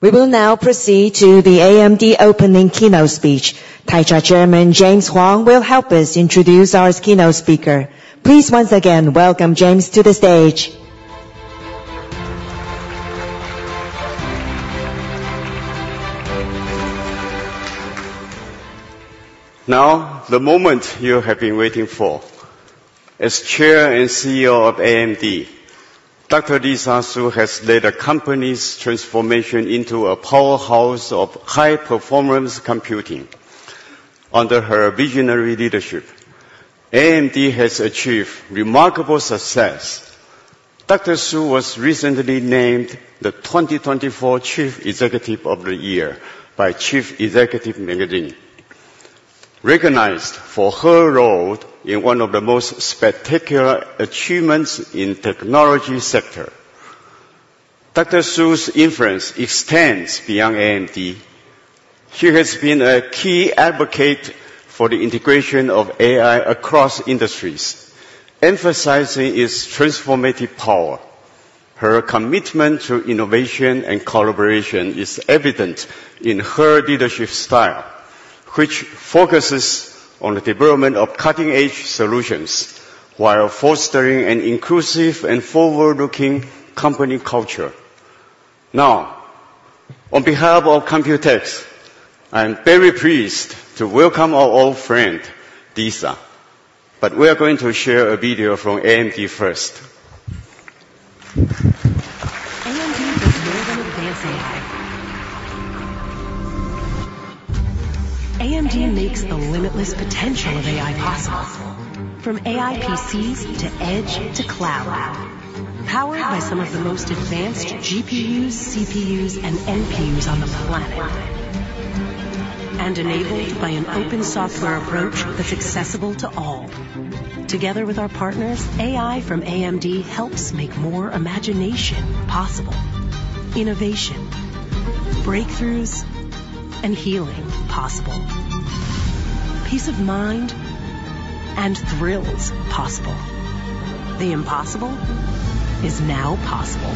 We will now proceed to the AMD opening keynote speech. TAITRA Chairman James Huang will help us introduce our keynote speaker. Please, once again, welcome James to the stage. Now, the moment you have been waiting for. As Chair and CEO of AMD, Dr. Lisa Su has led a company's transformation into a powerhouse of high-performance computing. Under her visionary leadership, AMD has achieved remarkable success. Dr. Su was recently named the 2024 Chief Executive of the Year by Chief Executive Magazine, recognized for her role in one of the most spectacular achievements in technology sector. Dr. Su's influence extends beyond AMD. She has been a key advocate for the integration of AI across industries, emphasizing its transformative power. Her commitment to innovation and collaboration is evident in her leadership style, which focuses on the development of cutting-edge solutions while fostering an inclusive and forward-looking company culture. Now, on behalf of COMPUTEX, I'm very pleased to welcome our old friend, Lisa, but we are going to share a video from AMD first. AMD does more than advance AI. AMD makes the limitless potential of AI possible, from AI PCs, to edge, to cloud. Powered by some of the most advanced GPUs, CPUs, and NPUs on the planet, and enabled by an open software approach that's accessible to all. Together with our partners, AI from AMD helps make more imagination possible, innovation, breakthroughs, and healing possible, peace of mind and thrills possible. The impossible is now possible.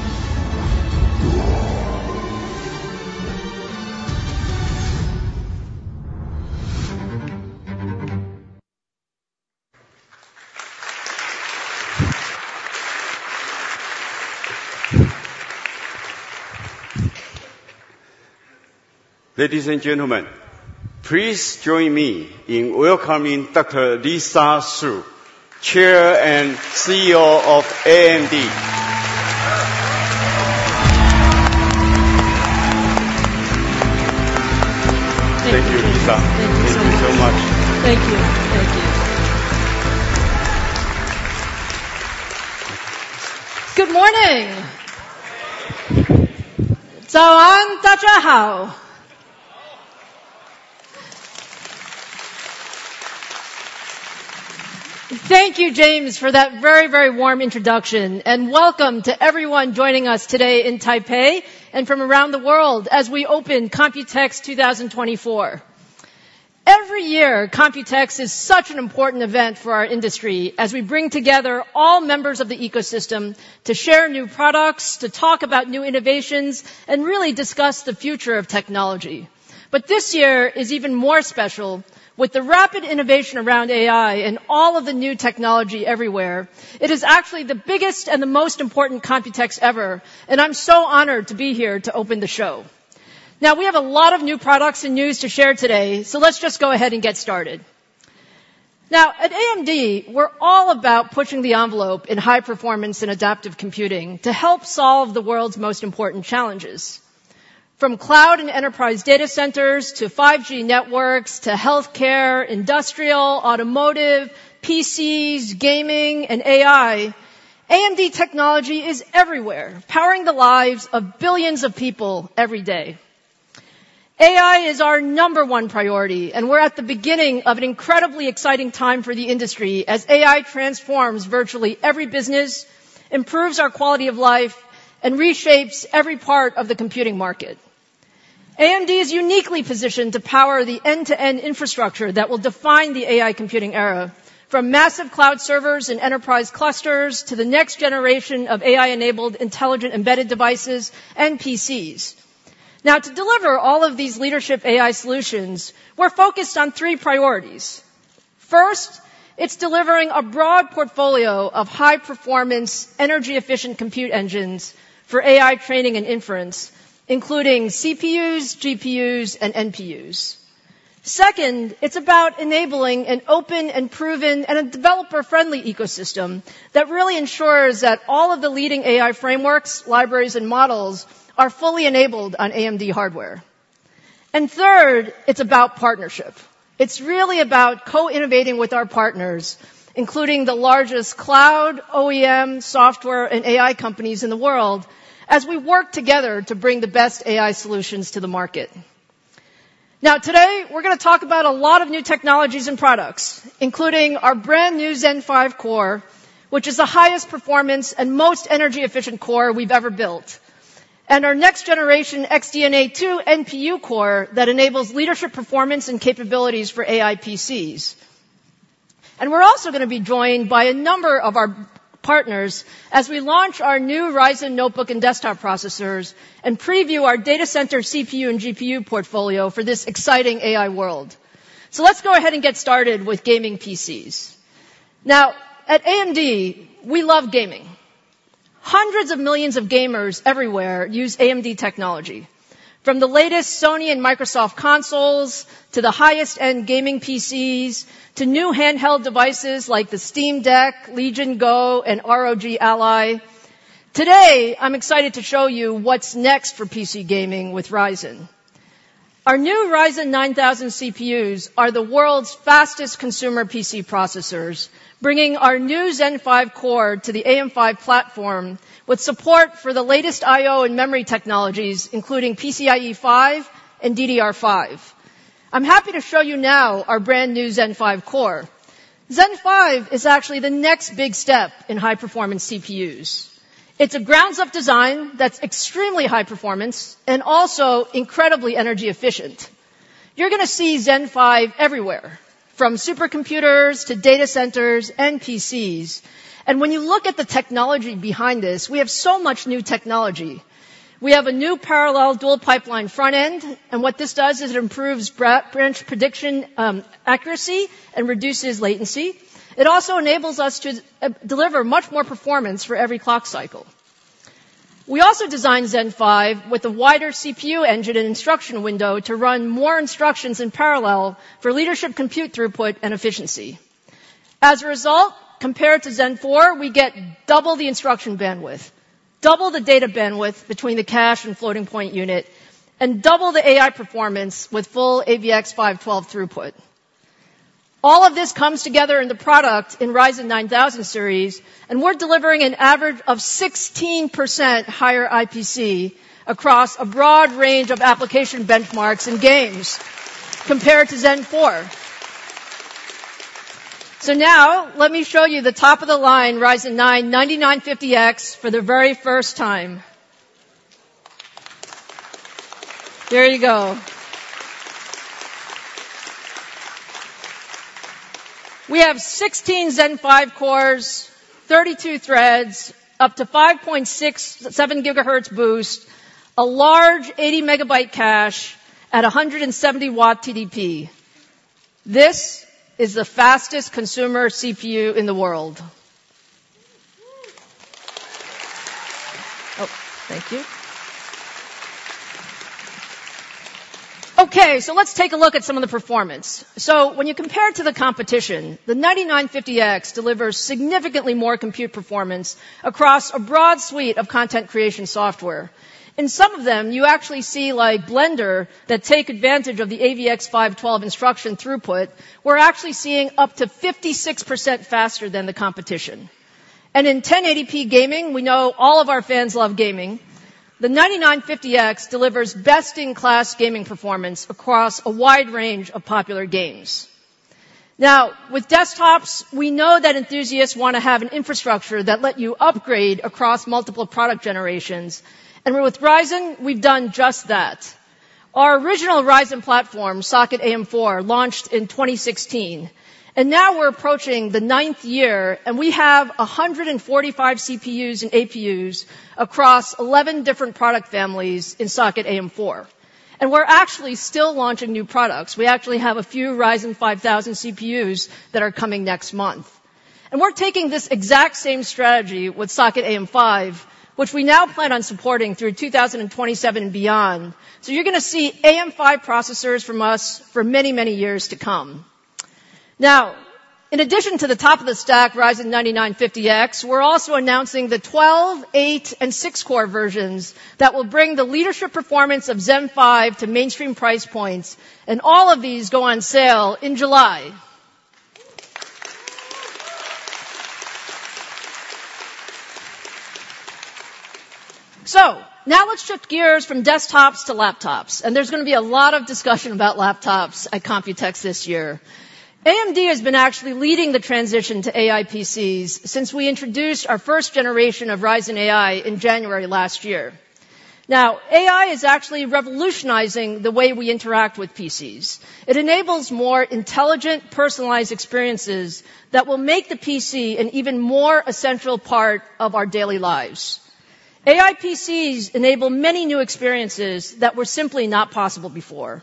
Ladies and gentlemen, please join me in welcoming Dr. Lisa Su, Chair and CEO of AMD. Thank you, Lisa. Thank you so much. Thank you so much. Thank you. Thank you. Good morning! Good morning. Thank you, James, for that very, very warm introduction, and welcome to everyone joining us today in Taipei and from around the world as we open COMPUTEX 2024. Every year, COMPUTEX is such an important event for our industry as we bring together all members of the ecosystem to share new products, to talk about new innovations, and really discuss the future of technology. But this year is even more special. With the rapid innovation around AI and all of the new technology everywhere, it is actually the biggest and the most important COMPUTEX ever, and I'm so honored to be here to open the show. Now, we have a lot of new products and news to share today, so let's just go ahead and get started. Now, at AMD, we're all about pushing the envelope in high performance and adaptive computing to help solve the world's most important challenges. From cloud and enterprise data centers to 5G networks, to healthcare, industrial, automotive, PCs, gaming, and AI, AMD technology is everywhere, powering the lives of billions of people every day. AI is our number one priority, and we're at the beginning of an incredibly exciting time for the industry as AI transforms virtually every business, improves our quality of life, and reshapes every part of the computing market. AMD is uniquely positioned to power the end-to-end infrastructure that will define the AI computing era, from massive cloud servers and enterprise clusters to the next generation of AI-enabled intelligent embedded devices and PCs. Now, to deliver all of these leadership AI solutions, we're focused on three priorities. First, it's delivering a broad portfolio of high-performance, energy-efficient compute engines for AI training and inference, including CPUs, GPUs, and NPUs. Second, it's about enabling an open and proven and a developer-friendly ecosystem that really ensures that all of the leading AI frameworks, libraries, and models are fully enabled on AMD hardware. And third, it's about partnership. It's really about co-innovating with our partners, including the largest cloud, OEM, software, and AI companies in the world, as we work together to bring the best AI solutions to the market. Now, today, we're gonna talk about a lot of new technologies and products, including our brand new Zen 5 core, which is the highest performance and most energy-efficient core we've ever built, and our next generation XDNA 2 NPU core that enables leadership, performance, and capabilities for AI PCs.... We're also gonna be joined by a number of our partners as we launch our new Ryzen notebook and desktop processors, and preview our data center CPU and GPU portfolio for this exciting AI world. Let's go ahead and get started with gaming PCs. Now, at AMD, we love gaming. Hundreds of millions of gamers everywhere use AMD technology, from the latest Sony and Microsoft consoles, to the highest-end gaming PCs, to new handheld devices like the Steam Deck, Legion Go, and ROG Ally. Today, I'm excited to show you what's next for PC gaming with Ryzen. Our new Ryzen 9000 CPUs are the world's fastest consumer PC processors, bringing our new Zen 5 core to the AM5 platform, with support for the latest IO and memory technologies, including PCIe 5 and DDR5. I'm happy to show you now our brand-new Zen 5 core. Zen 5 is actually the next big step in high-performance CPUs. It's a ground-up design that's extremely high performance and also incredibly energy efficient. You're gonna see Zen 5 everywhere, from supercomputers to data centers and PCs. And when you look at the technology behind this, we have so much new technology. We have a new parallel dual pipeline front end, and what this does is it improves branch prediction accuracy and reduces latency. It also enables us to deliver much more performance for every clock cycle. We also designed Zen 5 with a wider CPU engine and instruction window to run more instructions in parallel for leadership compute throughput, and efficiency. As a result, compared to Zen 4, we get double the instruction bandwidth, double the data bandwidth between the cache and floating-point unit, and double the AI performance with full AVX-512 throughput. All of this comes together in the product in Ryzen 9000 series, and we're delivering an average of 16% higher IPC across a broad range of application benchmarks and games compared to Zen 4. So now let me show you the top-of-the-line Ryzen 9 9950X for the very first time. There you go. We have 16 Zen 5 cores, 32 threads, up to 5.67 GHz boost, a large 80 MB cache at a 170-watt TDP. This is the fastest consumer CPU in the world. Oh, thank you. Okay, so let's take a look at some of the performance. So when you compare it to the competition, the 9950X delivers significantly more compute performance across a broad suite of content creation software. In some of them, you actually see, like Blender, that take advantage of the AVX-512 instruction throughput, we're actually seeing up to 56% faster than the competition. In 1080P gaming, we know all of our fans love gaming, the 9950X delivers best-in-class gaming performance across a wide range of popular games. Now, with desktops, we know that enthusiasts wanna have an infrastructure that let you upgrade across multiple product generations, and with Ryzen, we've done just that. Our original Ryzen platform, Socket AM4, launched in 2016, and now we're approaching the ninth year, and we have 145 CPUs and APUs across 11 different product families in Socket AM4. We're actually still launching new products. We actually have a few Ryzen 5000 CPUs that are coming next month. And we're taking this exact same strategy with Socket AM5, which we now plan on supporting through 2027 and beyond. So you're gonna see AM5 processors from us for many, many years to come. Now, in addition to the top-of-the-stack Ryzen 9950X, we're also announcing the 12-, 8-, and 6-core versions that will bring the leadership performance of Zen 5 to mainstream price points, and all of these go on sale in July. So now let's shift gears from desktops to laptops, and there's gonna be a lot of discussion about laptops at Computex this year. AMD has been actually leading the transition to AI PCs since we introduced our first generation of Ryzen AI in January last year. Now, AI is actually revolutionizing the way we interact with PCs. It enables more intelligent, personalized experiences that will make the PC an even more essential part of our daily lives. AI PCs enable many new experiences that were simply not possible before.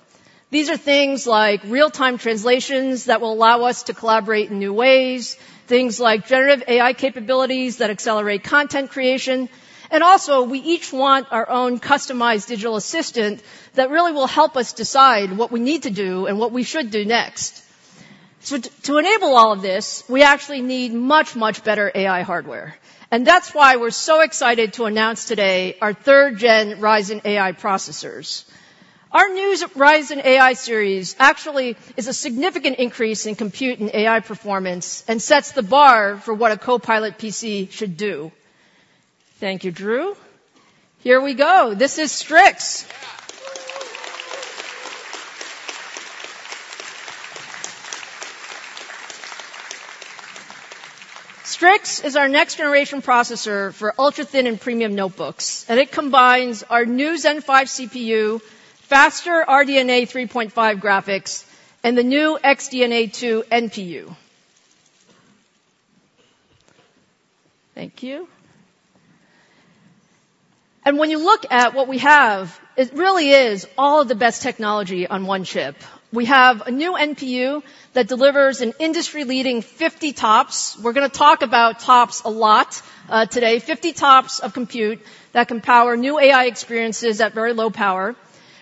These are things like real-time translations that will allow us to collaborate in new ways, things like generative AI capabilities that accelerate content creation, and also, we each want our own customized digital assistant that really will help us decide what we need to do and what we should do next. So to enable all of this, we actually need much, much better AI hardware, and that's why we're so excited to announce today our third-gen Ryzen AI processors. Our new Ryzen AI series actually is a significant increase in compute and AI performance and sets the bar for what a Copilot PC should do. Thank you, Drew. Here we go. This is Strix.... Strix is our next-generation processor for ultrathin and premium notebooks, and it combines our new Zen 5 CPU, faster RDNA 3.5 graphics, and the new XDNA 2 NPU. Thank you. And when you look at what we have, it really is all of the best technology on one chip. We have a new NPU that delivers an industry-leading 50 tops. We're gonna talk about tops a lot, today. 50 tops of compute that can power new AI experiences at very low power.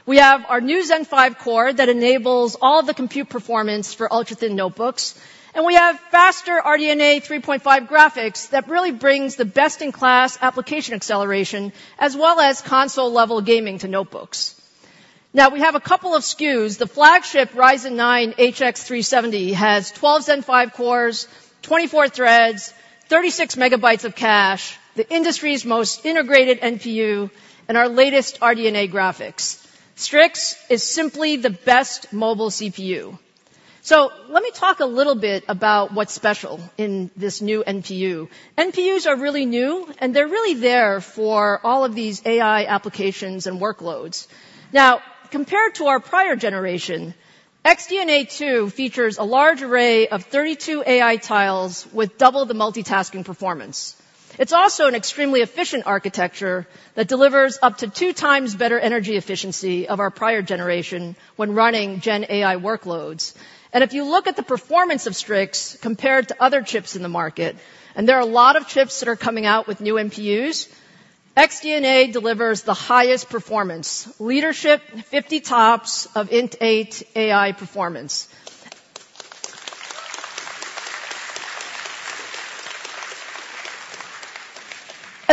We have our new Zen 5 core that enables all the compute performance for ultrathin notebooks, and we have faster RDNA 3.5 graphics that really brings the best-in-class application acceleration, as well as console-level gaming to notebooks. Now, we have a couple of SKUs. The flagship Ryzen 9 HX 370 has 12 Zen 5 cores, 24 threads, 36 MB of cache, the industry's most integrated NPU, and our latest RDNA graphics. Strix is simply the best mobile CPU. So let me talk a little bit about what's special in this new NPU. NPUs are really new, and they're really there for all of these AI applications and workloads. Now, compared to our prior generation, XDNA 2 features a large array of 32 AI tiles with double the multitasking performance. It's also an extremely efficient architecture that delivers up to 2 times better energy efficiency of our prior generation when running Gen AI workloads. And if you look at the performance of Strix compared to other chips in the market, and there are a lot of chips that are coming out with new NPUs, XDNA delivers the highest performance, leadership 50 TOPS of INT8 AI performance.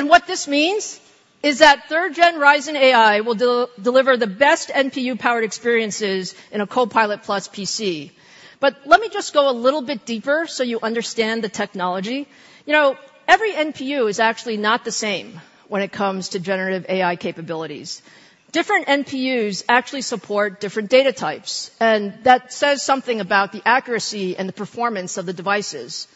And what this means is that third gen Ryzen AI will deliver the best NPU powered experiences in a Copilot+ PC. But let me just go a little bit deeper so you understand the technology. You know, every NPU is actually not the same when it comes to generative AI capabilities. Different NPUs actually support different data types, and that says something about the accuracy and the performance of the devices.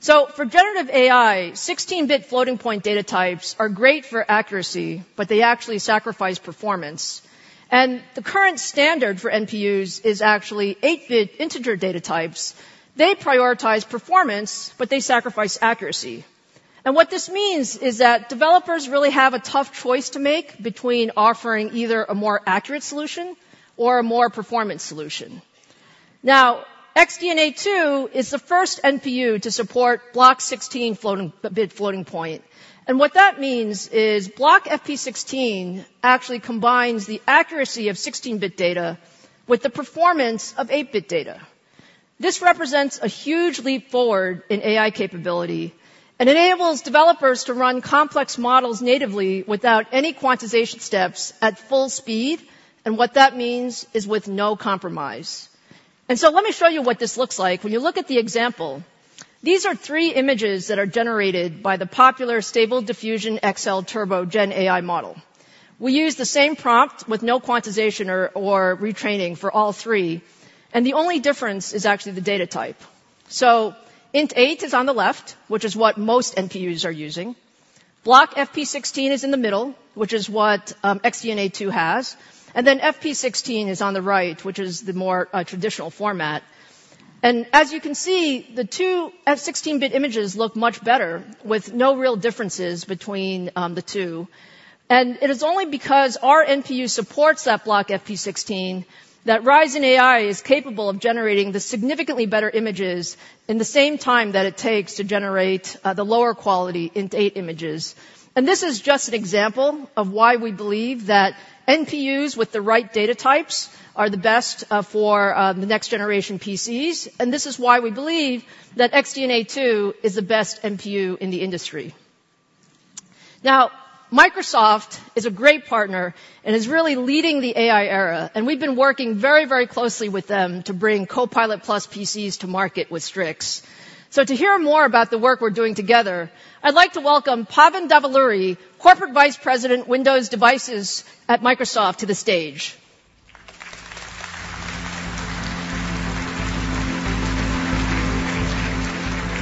So for generative AI, 16-bit floating point data types are great for accuracy, but they actually sacrifice performance. And the current standard for NPUs is actually 8-bit integer data types. They prioritize performance, but they sacrifice accuracy. What this means is that developers really have a tough choice to make between offering either a more accurate solution or a more performance solution. Now, XDNA 2 is the first NPU to support block 16 16-bit floating point. What that means is block FP16 actually combines the accuracy of 16-bit data with the performance of 8-bit data. This represents a huge leap forward in AI capability and enables developers to run complex models natively without any quantization steps at full speed, and what that means is with no compromise. So let me show you what this looks like. When you look at the example, these are 3 images that are generated by the popular Stable Diffusion XL Turbo Gen AI model. We use the same prompt with no quantization or retraining for all three, and the only difference is actually the data type. So INT8 is on the left, which is what most NPUs are using. Block FP16 is in the middle, which is what XDNA 2 has, and then FP16 is on the right, which is the more traditional format. And as you can see, the two FP16-bit images look much better, with no real differences between the two. And it is only because our NPU supports that block FP16, that Ryzen AI is capable of generating the significantly better images in the same time that it takes to generate the lower quality INT8 images. And this is just an example of why we believe that NPUs with the right data types are the best for the next generation PCs, and this is why we believe that XDNA 2 is the best NPU in the industry. Now, Microsoft is a great partner and is really leading the AI era, and we've been working very, very closely with them to bring Copilot Plus PCs to market with Strix. So to hear more about the work we're doing together, I'd like to welcome Pavan Davuluri, Corporate Vice President, Windows Devices at Microsoft, to the stage.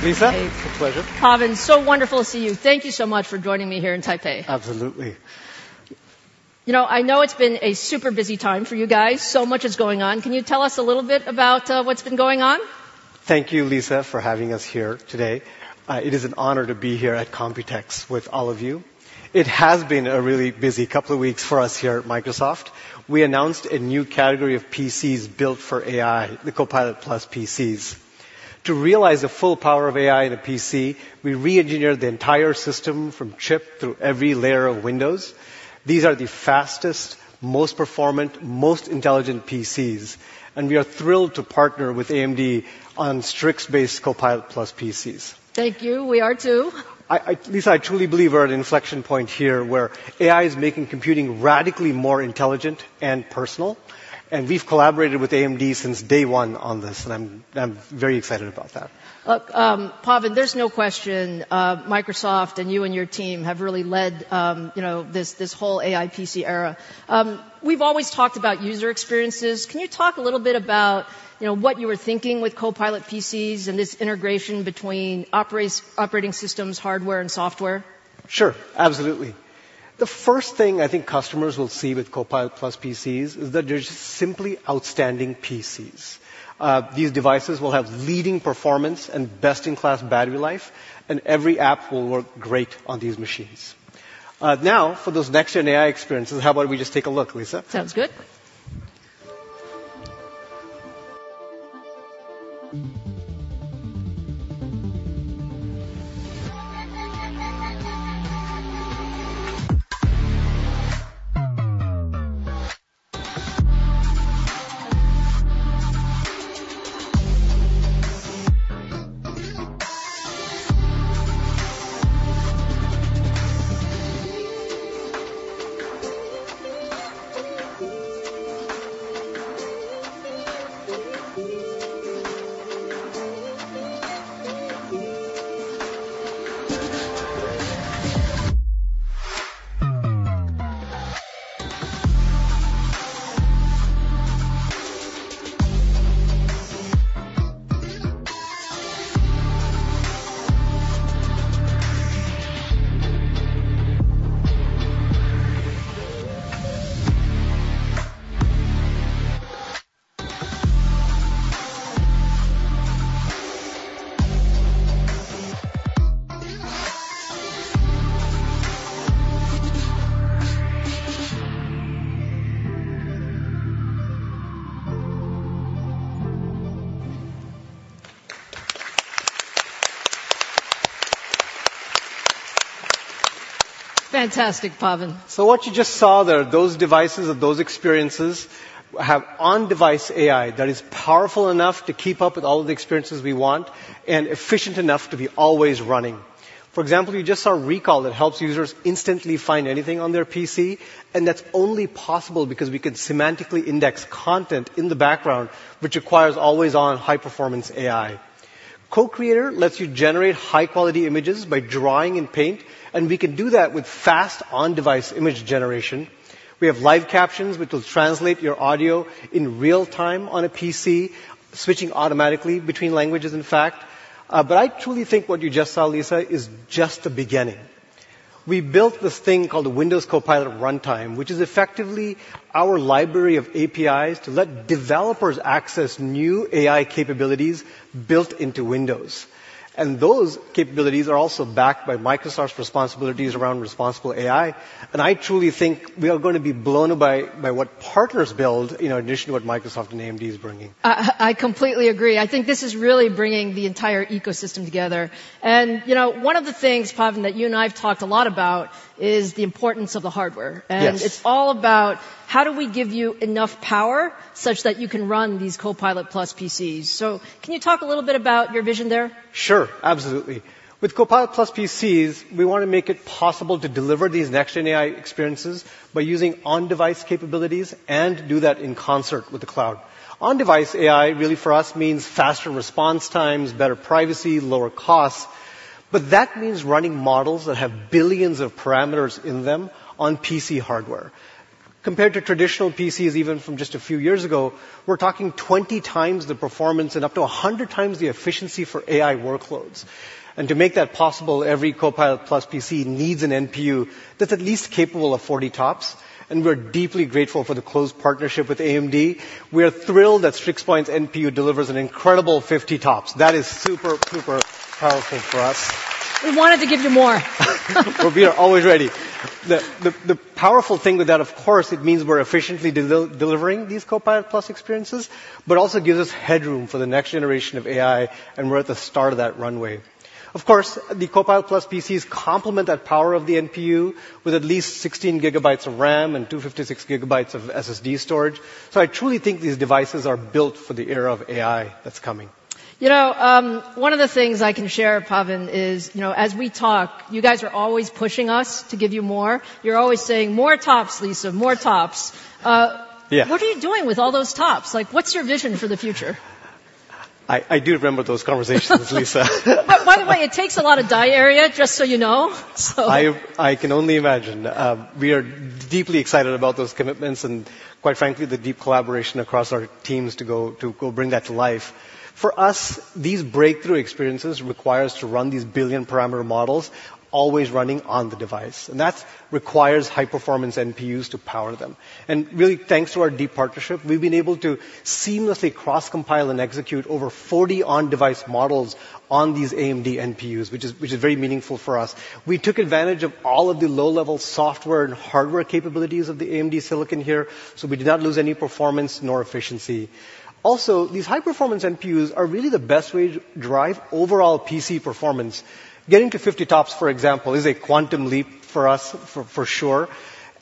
Lisa, it's a pleasure. Pavan, so wonderful to see you. Thank you so much for joining me here in Taipei. Absolutely. You know, I know it's been a super busy time for you guys. So much is going on. Can you tell us a little bit about what's been going on? Thank you, Lisa, for having us here today. It is an honor to be here at Computex with all of you. It has been a really busy couple of weeks for us here at Microsoft. We announced a new category of PCs built for AI, the Copilot Plus PCs. To realize the full power of AI in a PC, we re-engineered the entire system, from chip through every layer of Windows. These are the fastest, most performant, most intelligent PCs, and we are thrilled to partner with AMD on Strix-based Copilot Plus PCs. Thank you. We are too. Lisa, I truly believe we're at an inflection point here, where AI is making computing radically more intelligent and personal, and we've collaborated with AMD since day one on this, and I'm very excited about that. Pavan, there's no question, Microsoft and you and your team have really led, you know, this whole AI PC era. We've always talked about user experiences. Can you talk a little bit about, you know, what you were thinking with Copilot PCs and this integration between operating systems, hardware, and software? Sure, absolutely. The first thing I think customers will see with Copilot+ PCs is that they're just simply outstanding PCs. These devices will have leading performance and best-in-class battery life, and every app will work great on these machines. Now, for those next-gen AI experiences, how about we just take a look, Lisa? Sounds good. Fantastic, Pavan. So what you just saw there, those devices and those experiences, have on-device AI that is powerful enough to keep up with all of the experiences we want and efficient enough to be always running. For example, you just saw Recall that helps users instantly find anything on their PC, and that's only possible because we can semantically index content in the background, which requires always-on, high-performance AI. Cocreator lets you generate high-quality images by drawing in Paint, and we can do that with fast on-device image generation. We have Live Captions, which will translate your audio in real time on a PC, switching automatically between languages, in fact. But I truly think what you just saw, Lisa, is just the beginning. We built this thing called the Windows Copilot Runtime, which is effectively our library of APIs to let developers access new AI capabilities built into Windows. Those capabilities are also backed by Microsoft's responsibilities around responsible AI, and I truly think we are gonna be blown by what partners build, in addition to what Microsoft and AMD is bringing. I completely agree. I think this is really bringing the entire ecosystem together. And, you know, one of the things, Pavan, that you and I have talked a lot about is the importance of the hardware. Yes. It's all about how do we give you enough power such that you can run these Copilot+ PCs? Can you talk a little bit about your vision there? Sure, absolutely. With Copilot+ PCs, we wanna make it possible to deliver these next-gen AI experiences by using on-device capabilities and do that in concert with the cloud. On-device AI really, for us, means faster response times, better privacy, lower costs, but that means running models that have billions of parameters in them on PC hardware. Compared to traditional PCs, even from just a few years ago, we're talking 20 times the performance and up to 100 times the efficiency for AI workloads. And to make that possible, every Copilot+ PC needs an NPU that's at least capable of 40 TOPS, and we're deeply grateful for the close partnership with AMD. We are thrilled that Strix Point's NPU delivers an incredible 50 TOPS. That is super, super powerful for us. We wanted to give you more. We are always ready. The powerful thing with that, of course, it means we're efficiently delivering these Copilot+ experiences, but also gives us headroom for the next generation of AI, and we're at the start of that runway. Of course, the Copilot+ PCs complement that power of the NPU with at least 16 GB of RAM and 256 GB of SSD storage. So I truly think these devices are built for the era of AI that's coming. You know, one of the things I can share, Pavan, is, you know, as we talk, you guys are always pushing us to give you more. You're always saying, "More tops, Lisa, more tops. Yeah. What are you doing with all those tops? Like, what's your vision for the future? I do remember those conversations, Lisa. By the way, it takes a lot of die area, just so you know, so- I, I can only imagine. We are deeply excited about those commitments and, quite frankly, the deep collaboration across our teams to go bring that to life. For us, these breakthrough experiences require us to run these billion-parameter models always running on the device, and that requires high-performance NPUs to power them. And really, thanks to our deep partnership, we've been able to seamlessly cross-compile and execute over 40 on-device models on these AMD NPUs, which is very meaningful for us. We took advantage of all of the low-level software and hardware capabilities of the AMD silicon here, so we did not lose any performance nor efficiency. Also, these high-performance NPUs are really the best way to drive overall PC performance. Getting to 50 TOPS, for example, is a quantum leap for us, for sure,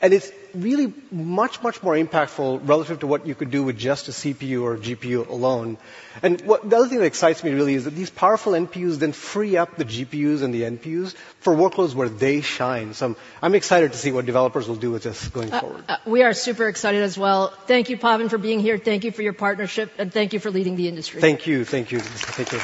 and it's really much, much more impactful relative to what you could do with just a CPU or GPU alone. And what the other thing that excites me, really, is that these powerful NPUs then free up the GPUs and the NPUs for workloads where they shine. So I'm excited to see what developers will do with this going forward. We are super excited as well. Thank you, Pavan, for being here. Thank you for your partnership, and thank you for leading the industry. Thank you. Thank you. Thank you....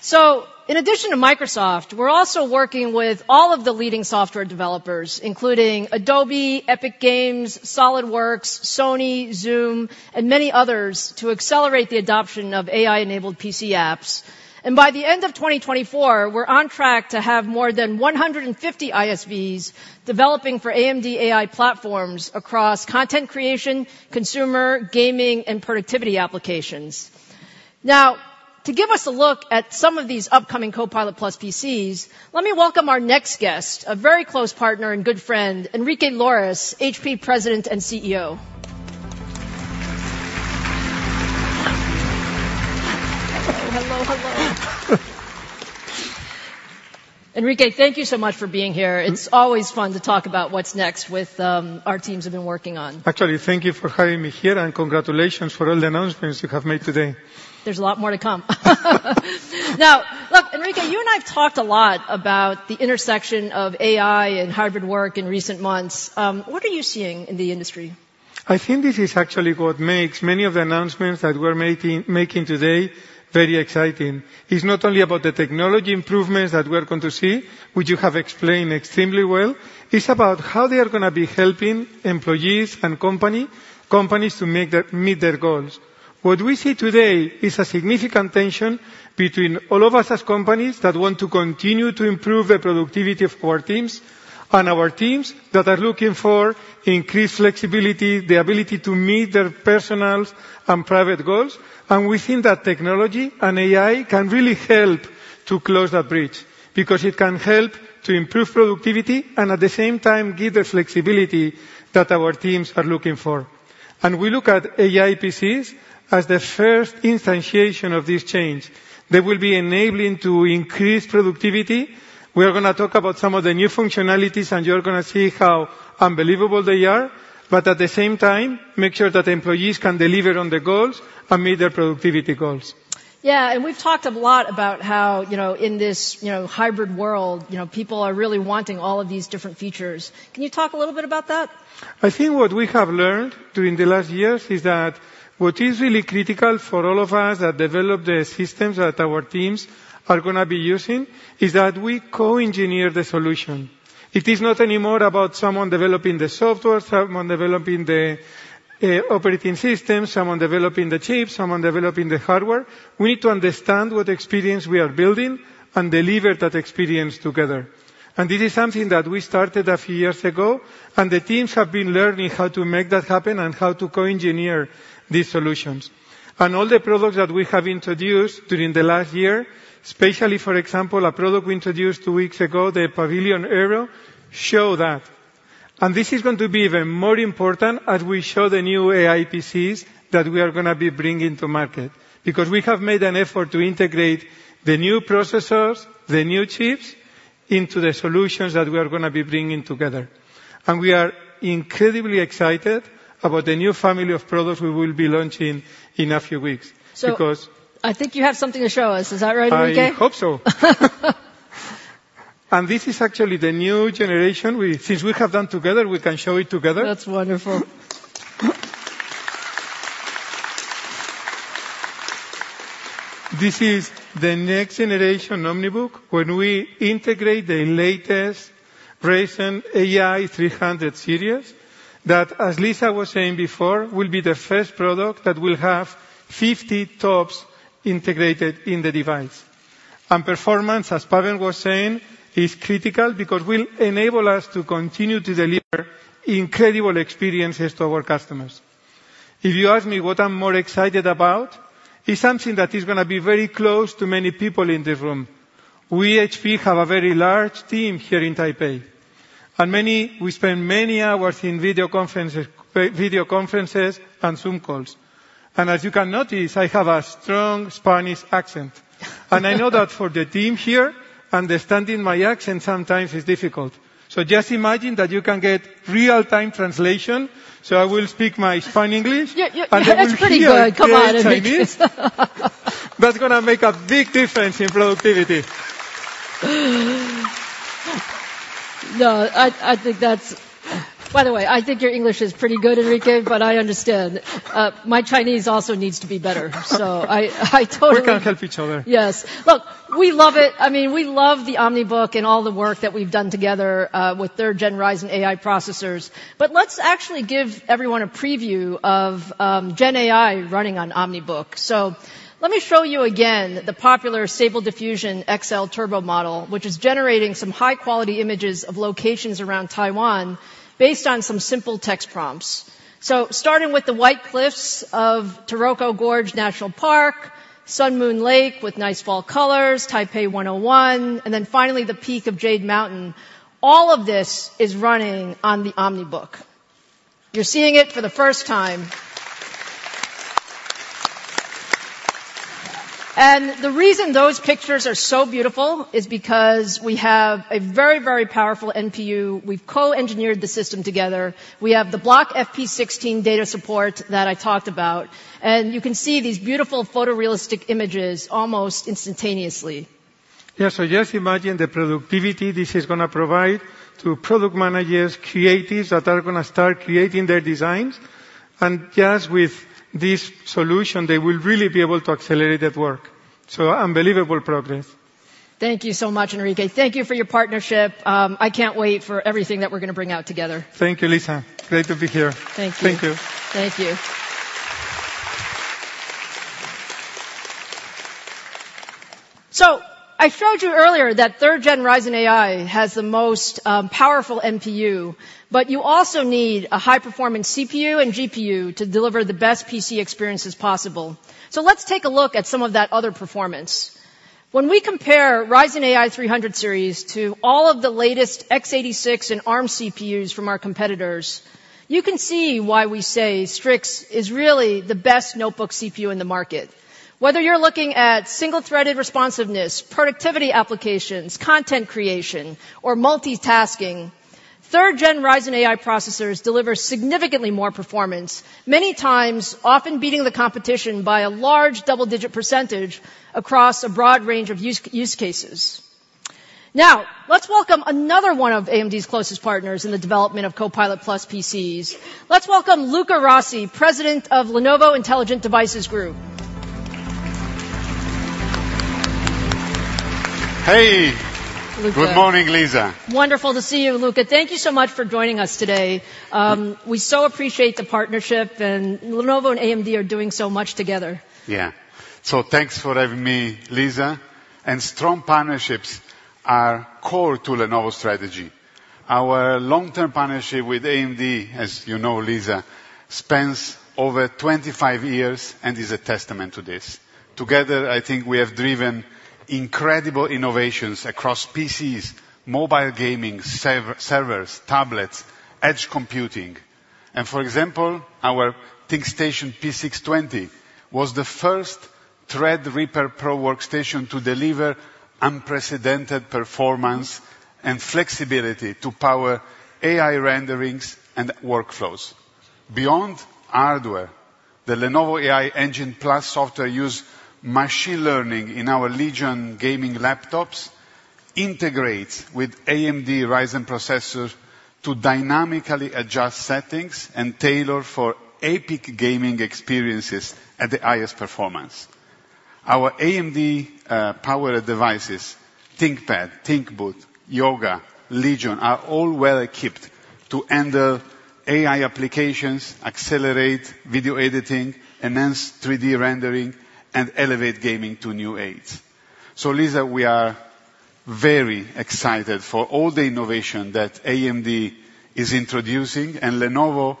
So in addition to Microsoft, we're also working with all of the leading software developers, including Adobe, Epic Games, SolidWorks, Sony, Zoom, and many others, to accelerate the adoption of AI-enabled PC apps. And by the end of 2024, we're on track to have more than 150 ISVs developing for AMD AI platforms across content creation, consumer, gaming, and productivity applications. Now, to give us a look at some of these upcoming Copilot Plus PCs, let me welcome our next guest, a very close partner and good friend, Enrique Lores, HP President and CEO. Hello, hello. Enrique, thank you so much for being here. It's always fun to talk about what's next with, our teams have been working on. Actually, thank you for having me here, and congratulations for all the announcements you have made today. There's a lot more to come. Now, look, Enrique, you and I have talked a lot about the intersection of AI and hybrid work in recent months. What are you seeing in the industry? I think this is actually what makes many of the announcements that we're making today very exciting. It's not only about the technology improvements that we are going to see, which you have explained extremely well; it's about how they are gonna be helping employees and companies to meet their goals. What we see today is a significant tension between all of us as companies that want to continue to improve the productivity of our teams, and our teams that are looking for increased flexibility, the ability to meet their personal and private goals. And we think that technology and AI can really help to close that bridge because it can help to improve productivity and, at the same time, give the flexibility that our teams are looking for. And we look at AI PCs as the first instantiation of this change. They will be enabling to increase productivity. We are gonna talk about some of the new functionalities, and you're gonna see how unbelievable they are, but at the same time, make sure that employees can deliver on their goals and meet their productivity goals. Yeah, and we've talked a lot about how, you know, in this, you know, hybrid world, you know, people are really wanting all of these different features. Can you talk a little bit about that? I think what we have learned during the last years is that what is really critical for all of us that develop the systems that our teams are gonna be using, is that we co-engineer the solution. It is not anymore about someone developing the software, someone developing the operating system, someone developing the chip, someone developing the hardware. We need to understand what experience we are building and deliver that experience together. This is something that we started a few years ago, and the teams have been learning how to make that happen and how to co-engineer these solutions. All the products that we have introduced during the last year, especially, for example, a product we introduced two weeks ago, the Pavilion Aero, show that. This is going to be even more important as we show the new AI PCs that we are gonna be bringing to market because we have made an effort to integrate the new processors, the new chips, into the solutions that we are gonna be bringing together. We are incredibly excited about the new family of products we will be launching in a few weeks. So- Because- I think you have something to show us. Is that right, Enrique? I hope so. This is actually the new generation. Since we have done together, we can show it together. That's wonderful. This is the next generation OmniBook. When we integrate the latest Ryzen AI 300 Series, that, as Lisa was saying before, will be the first product that will have 50 TOPS integrated in the device. Performance, as Pavan was saying, is critical because will enable us to continue to deliver incredible experiences to our customers. If you ask me what I'm more excited about, it's something that is gonna be very close to many people in this room. We, HP, have a very large team here in Taipei, and many. We spend many hours in video conferences, video conferences, and Zoom calls. As you can notice, I have a strong Spanish accent. I know that for the team here, understanding my accent sometimes is difficult. So just imagine that you can get real-time translation, so I will speak my Spanish English- Yeah, yeah, it's pretty good. They will hear the Chinese. Come on, Enrique. That's gonna make a big difference in productivity. No, I think that's... By the way, I think your English is pretty good, Enrique, but I understand. My Chinese also needs to be better, so I totally- We can help each other. Yes. Look, we love it. I mean, we love the OmniBook and all the work that we've done together with third-gen Ryzen AI processors. But let's actually give everyone a preview of GenAI running on OmniBook. So let me show you again the popular Stable Diffusion XL Turbo model, which is generating some high-quality images of locations around Taiwan based on some simple text prompts. So starting with the White Cliffs of Taroko Gorge National Park, Sun Moon Lake with nice fall colors, Taipei 101, and then finally the peak of Jade Mountain. All of this is running on the OmniBook. You're seeing it for the first time. And the reason those pictures are so beautiful is because we have a very, very powerful NPU. We've co-engineered the system together. We have the Block FP16 data support that I talked about, and you can see these beautiful photorealistic images almost instantaneously.... Yeah, so just imagine the productivity this is going to provide to product managers, creatives that are going to start creating their designs, and just with this solution, they will really be able to accelerate their work. So unbelievable progress. Thank you so much, Enrique. Thank you for your partnership. I can't wait for everything that we're going to bring out together. Thank you, Lisa. Great to be here. Thank you. Thank you. Thank you. So I showed you earlier that third-gen Ryzen AI has the most powerful NPU, but you also need a high-performance CPU and GPU to deliver the best PC experiences possible. So let's take a look at some of that other performance. When we compare Ryzen AI 300 Series to all of the latest x86 and Arm CPUs from our competitors, you can see why we say Strix is really the best notebook CPU in the market. Whether you're looking at single-threaded responsiveness, productivity applications, content creation, or multitasking, third-gen Ryzen AI processors deliver significantly more performance, many times often beating the competition by a large double-digit percentage across a broad range of use cases. Now, let's welcome another one of AMD's closest partners in the development of Copilot Plus PCs. Let's welcome Luca Rossi, President of Lenovo Intelligent Devices Group. Hey! Luca. Good morning, Lisa. Wonderful to see you, Luca. Thank you so much for joining us today. We so appreciate the partnership, and Lenovo and AMD are doing so much together. Yeah. So thanks for having me, Lisa, and strong partnerships are core to Lenovo's strategy. Our long-term partnership with AMD, as you know, Lisa, spans over 25 years and is a testament to this. Together, I think we have driven incredible innovations across PCs, mobile gaming, servers, tablets, edge computing, and for example, our ThinkStation P620 was the first Threadripper Pro workstation to deliver unprecedented performance and flexibility to power AI renderings and workflows. Beyond hardware, the Lenovo AI Engine Plus software use machine learning in our Legion gaming laptops, integrates with AMD Ryzen processors to dynamically adjust settings and tailor for epic gaming experiences at the highest performance. Our AMD powered devices, ThinkPad, ThinkBook, Yoga, Legion, are all well equipped to handle AI applications, accelerate video editing, enhance 3D rendering, and elevate gaming to new heights. Lisa, we are very excited for all the innovation that AMD is introducing, and Lenovo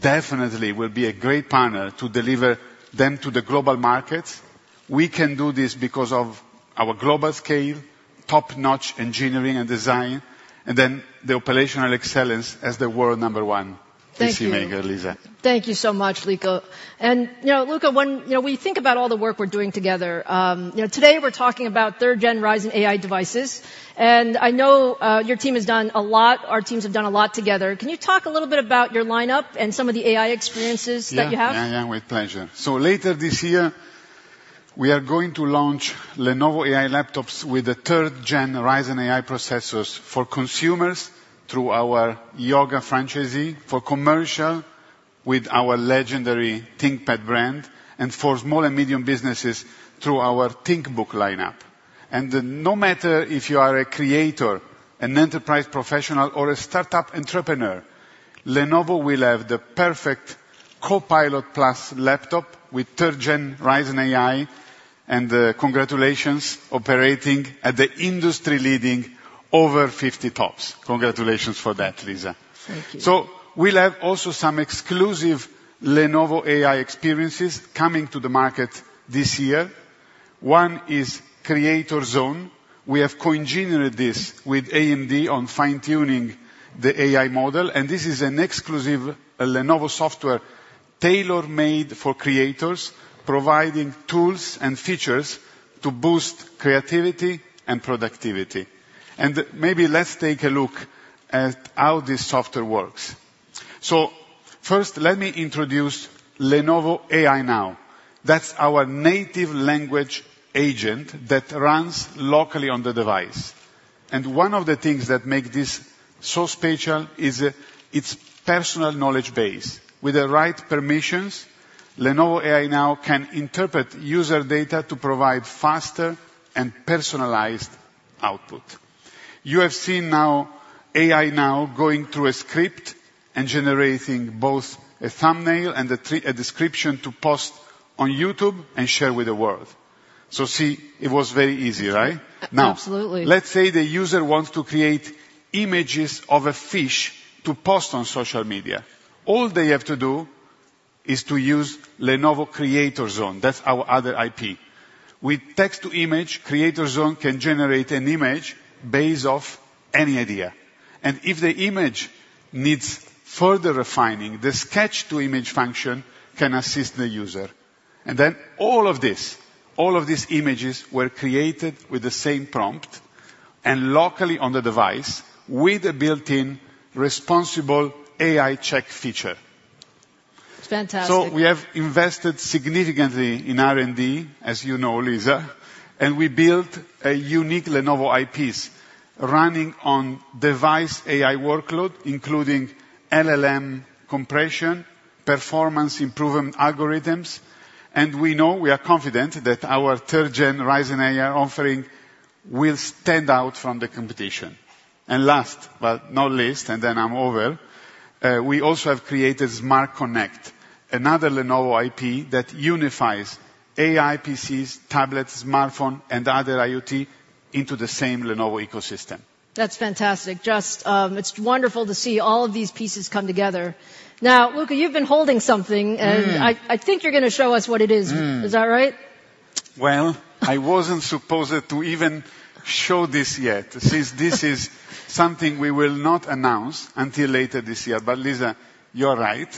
definitely will be a great partner to deliver them to the global markets. We can do this because of our global scale, top-notch engineering and design, and then the operational excellence as the world number one- Thank you PC maker, Lisa. Thank you so much, Luca. And, you know, Luca, when, you know, we think about all the work we're doing together, you know, today we're talking about third gen Ryzen AI devices, and I know, your team has done a lot, our teams have done a lot together. Can you talk a little bit about your lineup and some of the AI experiences that you have? Yeah. Yeah, yeah, with pleasure. So later this year, we are going to launch Lenovo AI laptops with the third gen Ryzen AI processors for consumers through our Yoga franchise, for commercial with our legendary ThinkPad brand, and for small and medium businesses through our ThinkBook lineup. And no matter if you are a creator, an enterprise professional, or a startup entrepreneur, Lenovo will have the perfect Copilot Plus laptop with third gen Ryzen AI, and congratulations, operating at the industry-leading over 50 TOPS. Congratulations for that, Lisa. Thank you. We'll have also some exclusive Lenovo AI experiences coming to the market this year. One is Creator Zone. We have co-engineered this with AMD on fine-tuning the AI model, and this is an exclusive Lenovo software tailor-made for creators, providing tools and features to boost creativity and productivity. Maybe let's take a look at how this software works. First, let me introduce Lenovo AI Now. That's our native language agent that runs locally on the device. One of the things that make this so special is its personal knowledge base. With the right permissions, Lenovo AI Now can interpret user data to provide faster and personalized output. You have seen Lenovo AI Now going through a script and generating both a thumbnail and a description to post on YouTube and share with the world. See, it was very easy, right? Absolutely. Now, let's say the user wants to create images of a fish to post on social media. All they have to do is to use Lenovo Creator Zone. That's our other IP. With text to image, Creator Zone can generate an image based off any idea, and if the image needs further refining, the sketch to image function can assist the user. And then all of this, all of these images were created with the same prompt and locally on the device with a built-in responsible AI check feature.... It's fantastic. So we have invested significantly in R&D, as you know, Lisa, and we built a unique Lenovo IPs running on device AI workload, including LLM compression, performance improvement algorithms. And we know, we are confident that our third gen Ryzen AI offering will stand out from the competition. And last but not least, and then I'm over, we also have created Smart Connect, another Lenovo IP that unifies AI PCs, tablets, smartphone, and other IoT into the same Lenovo ecosystem. That's fantastic. Just, it's wonderful to see all of these pieces come together. Now, Luca, you've been holding something- Mm. and I, I think you're gonna show us what it is. Mm. Is that right? Well, I wasn't supposed to even show this yet, since this is something we will not announce until later this year. But Lisa, you're right.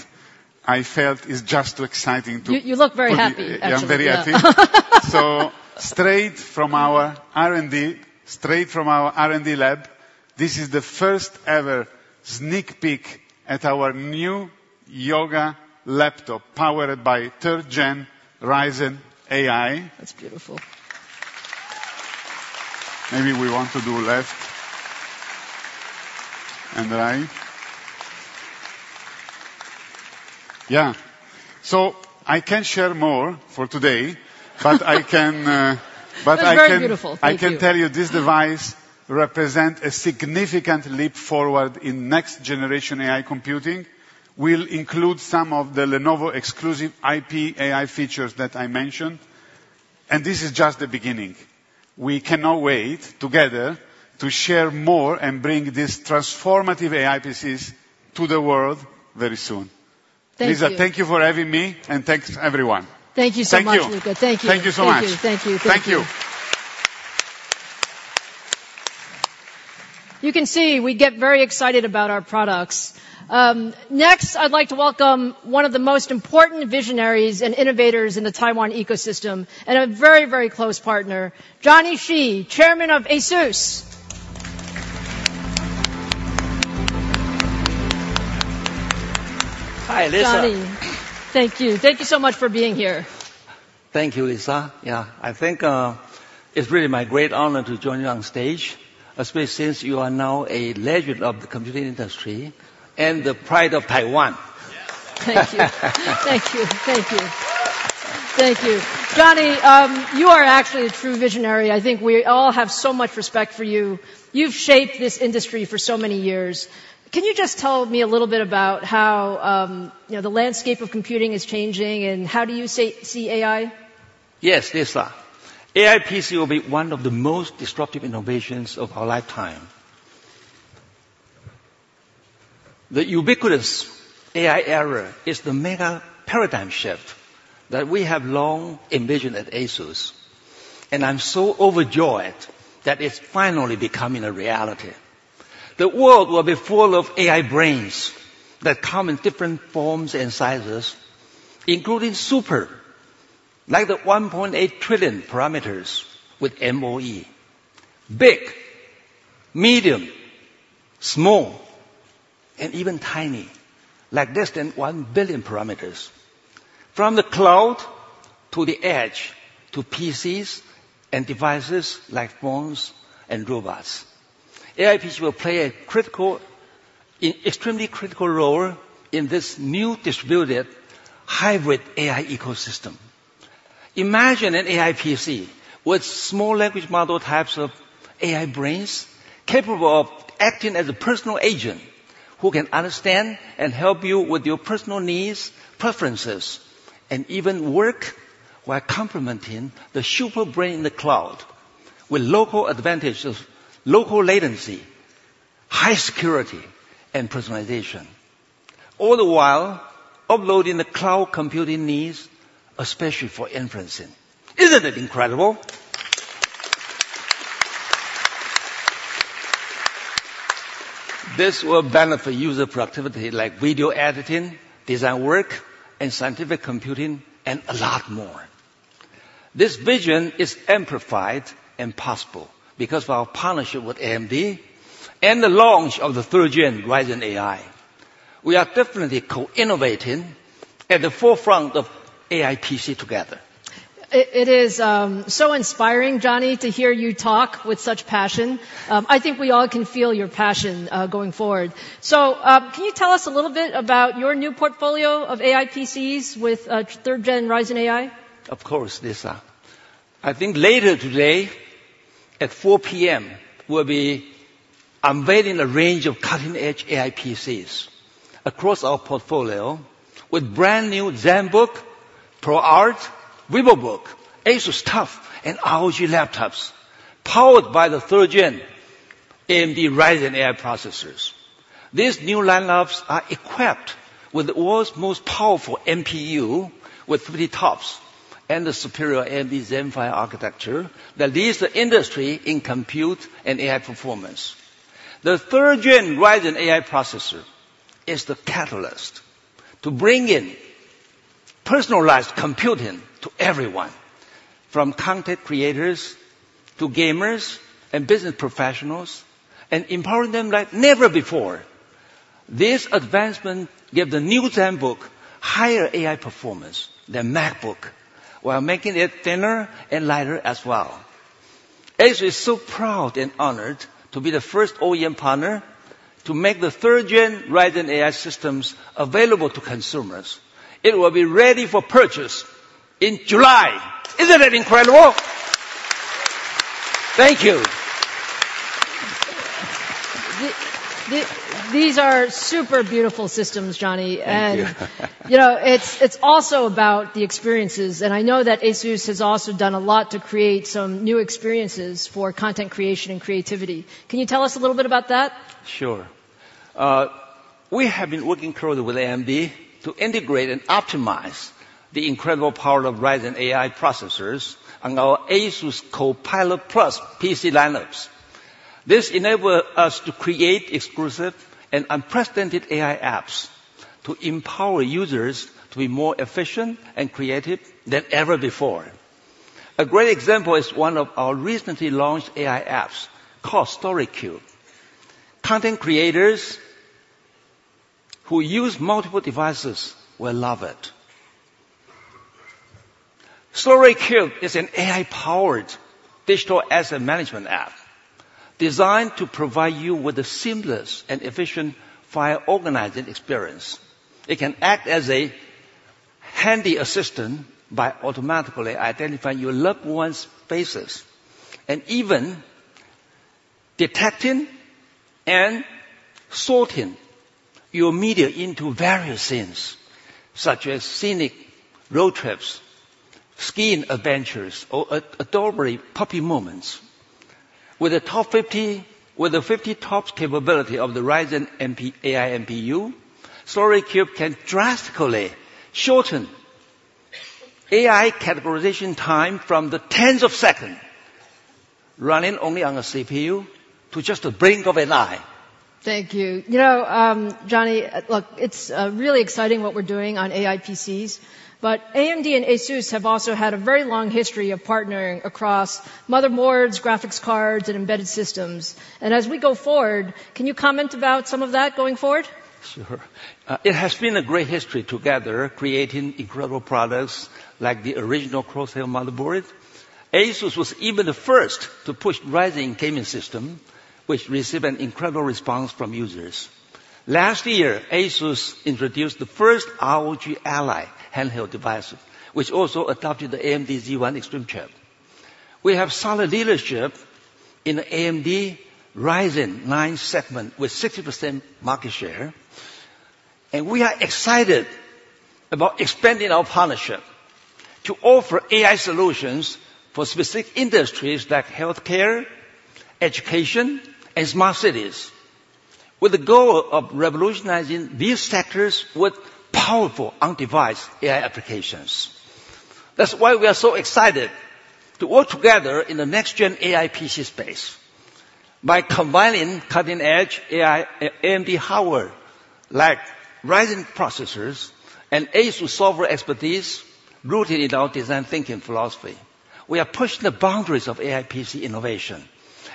I felt it's just too exciting to- You, you look very happy, actually. Yeah, I'm very happy. Straight from our R&D, straight from our R&D lab, this is the first ever sneak peek at our new Yoga laptop, powered by third-gen Ryzen AI. That's beautiful. Maybe we want to do left... and right. Yeah. So I can't share more for today, but I can, That's very beautiful. Thank you. But I can, I can tell you, this device represent a significant leap forward in next-generation AI computing, will include some of the Lenovo-exclusive IP AI features that I mentioned, and this is just the beginning. We cannot wait together to share more and bring these transformative AI PCs to the world very soon. Thank you. Lisa, thank you for having me, and thanks, everyone. Thank you so much, Luca. Thank you. Thank you. Thank you so much. Thank you. Thank you. Thank you. You can see we get very excited about our products. Next, I'd like to welcome one of the most important visionaries and innovators in the Taiwan ecosystem, and a very, very close partner, Johnny Shih, Chairman of ASUS. Hi, Lisa. Johnny. Thank you. Thank you so much for being here. Thank you, Lisa. Yeah, I think, it's really my great honor to join you on stage, especially since you are now a legend of the computing industry and the pride of Taiwan. Yes! Thank you. Thank you. Thank you. Thank you. Johnny, you are actually a true visionary. I think we all have so much respect for you. You've shaped this industry for so many years. Can you just tell me a little bit about how, you know, the landscape of computing is changing, and how do you see AI? Yes, Lisa. AI PC will be one of the most disruptive innovations of our lifetime. The ubiquitous AI era is the mega paradigm shift that we have long envisioned at ASUS, and I'm so overjoyed that it's finally becoming a reality. The world will be full of AI brains that come in different forms and sizes, including super, like the 1.8 trillion parameters with MOE. Big, medium, small, and even tiny, like less than 1 billion parameters. From the cloud, to the edge, to PCs and devices like phones and robots. AI PCs will play a critical, extremely critical role in this new distributed hybrid AI ecosystem. Imagine an AI PC with small language model types of AI brains, capable of acting as a personal agent, who can understand and help you with your personal needs, preferences, and even work while complementing the super brain in the cloud, with local advantages, local latency, high security, and personalization, all the while offloading the cloud computing needs, especially for inferencing. Isn't it incredible? This will benefit user productivity like video editing, design work, and scientific computing, and a lot more. This vision is amplified and possible because of our partnership with AMD and the launch of the third gen Ryzen AI. We are definitely co-innovating at the forefront of AI PC together. It is so inspiring, Johnny, to hear you talk with such passion. I think we all can feel your passion going forward. So, can you tell us a little bit about your new portfolio of AI PCs with third gen Ryzen AI? Of course, Lisa. I think later today, at 4:00 P.M., we'll be unveiling a range of cutting-edge AI PCs across our portfolio with brand-new Zenbook, ProArt, Vivobook, ASUS TUF, and ROG laptops, powered by the third-gen AMD Ryzen AI processors. These new lineups are equipped with the world's most powerful NPU, with 30 TOPS and the superior AMD Zen 5 architecture that leads the industry in compute and AI performance. The third-gen Ryzen AI processor is the catalyst to bring personalized computing to everyone, from content creators to gamers and business professionals, and empowering them like never before. This advancement give the new Zenbook higher AI performance than MacBook, while making it thinner and lighter as well. ASUS is so proud and honored to be the first OEM partner to make the third-gen Ryzen AI systems available to consumers. It will be ready for purchase in July. Isn't it incredible? Thank you. These are super beautiful systems, Johnny. Thank you. You know, it's, it's also about the experiences, and I know that ASUS has also done a lot to create some new experiences for content creation and creativity. Can you tell us a little bit about that? Sure. We have been working closely with AMD to integrate and optimize the incredible power of Ryzen AI processors on our ASUS Copilot Plus PC lineups. This enable us to create exclusive and unprecedented AI apps to empower users to be more efficient and creative than ever before. A great example is one of our recently launched AI apps called StoryCube. Content creators who use multiple devices will love it. StoryCube is an AI-powered digital asset management app designed to provide you with a seamless and efficient file organizing experience. It can act as a handy assistant by automatically identifying your loved one's faces, and even detecting and sorting your media into various scenes, such as scenic road trips, skiing adventures, or adorable puppy moments. With the 50 TOPS capability of the Ryzen AI NPU, StoryCube can drastically shorten AI categorization time from the tens of seconds, running only on a CPU, to just a blink of an eye. Thank you. You know, Johnny, look, it's really exciting what we're doing on AI PCs, but AMD and ASUS have also had a very long history of partnering across motherboards, graphics cards, and embedded systems. As we go forward, can you comment about some of that going forward? Sure. It has been a great history together, creating incredible products like the original Crosshair motherboard. ASUS was even the first to push Ryzen gaming system, which received an incredible response from users. Last year, ASUS introduced the first ROG Ally handheld device, which also adopted the AMD Z1 Extreme chip. We have solid leadership in the AMD Ryzen 9 segment, with 60% market share, and we are excited about expanding our partnership to offer AI solutions for specific industries like healthcare, education, and smart cities, with the goal of revolutionizing these sectors with powerful on-device AI applications. That's why we are so excited to work together in the next-gen AI PC space. By combining cutting-edge AI AMD hardware, like Ryzen processors and ASUS software expertise, rooted in our design thinking philosophy, we are pushing the boundaries of AI PC innovation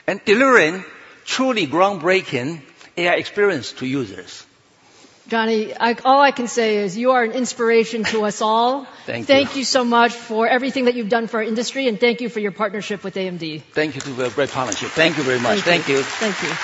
and delivering truly groundbreaking AI experience to users. Johnny, all I can say is you are an inspiration to us all. Thank you. Thank you so much for everything that you've done for our industry, and thank you for your partnership with AMD. Thank you for the great partnership. Thank you very much. Thank you. Thank you. Thank you.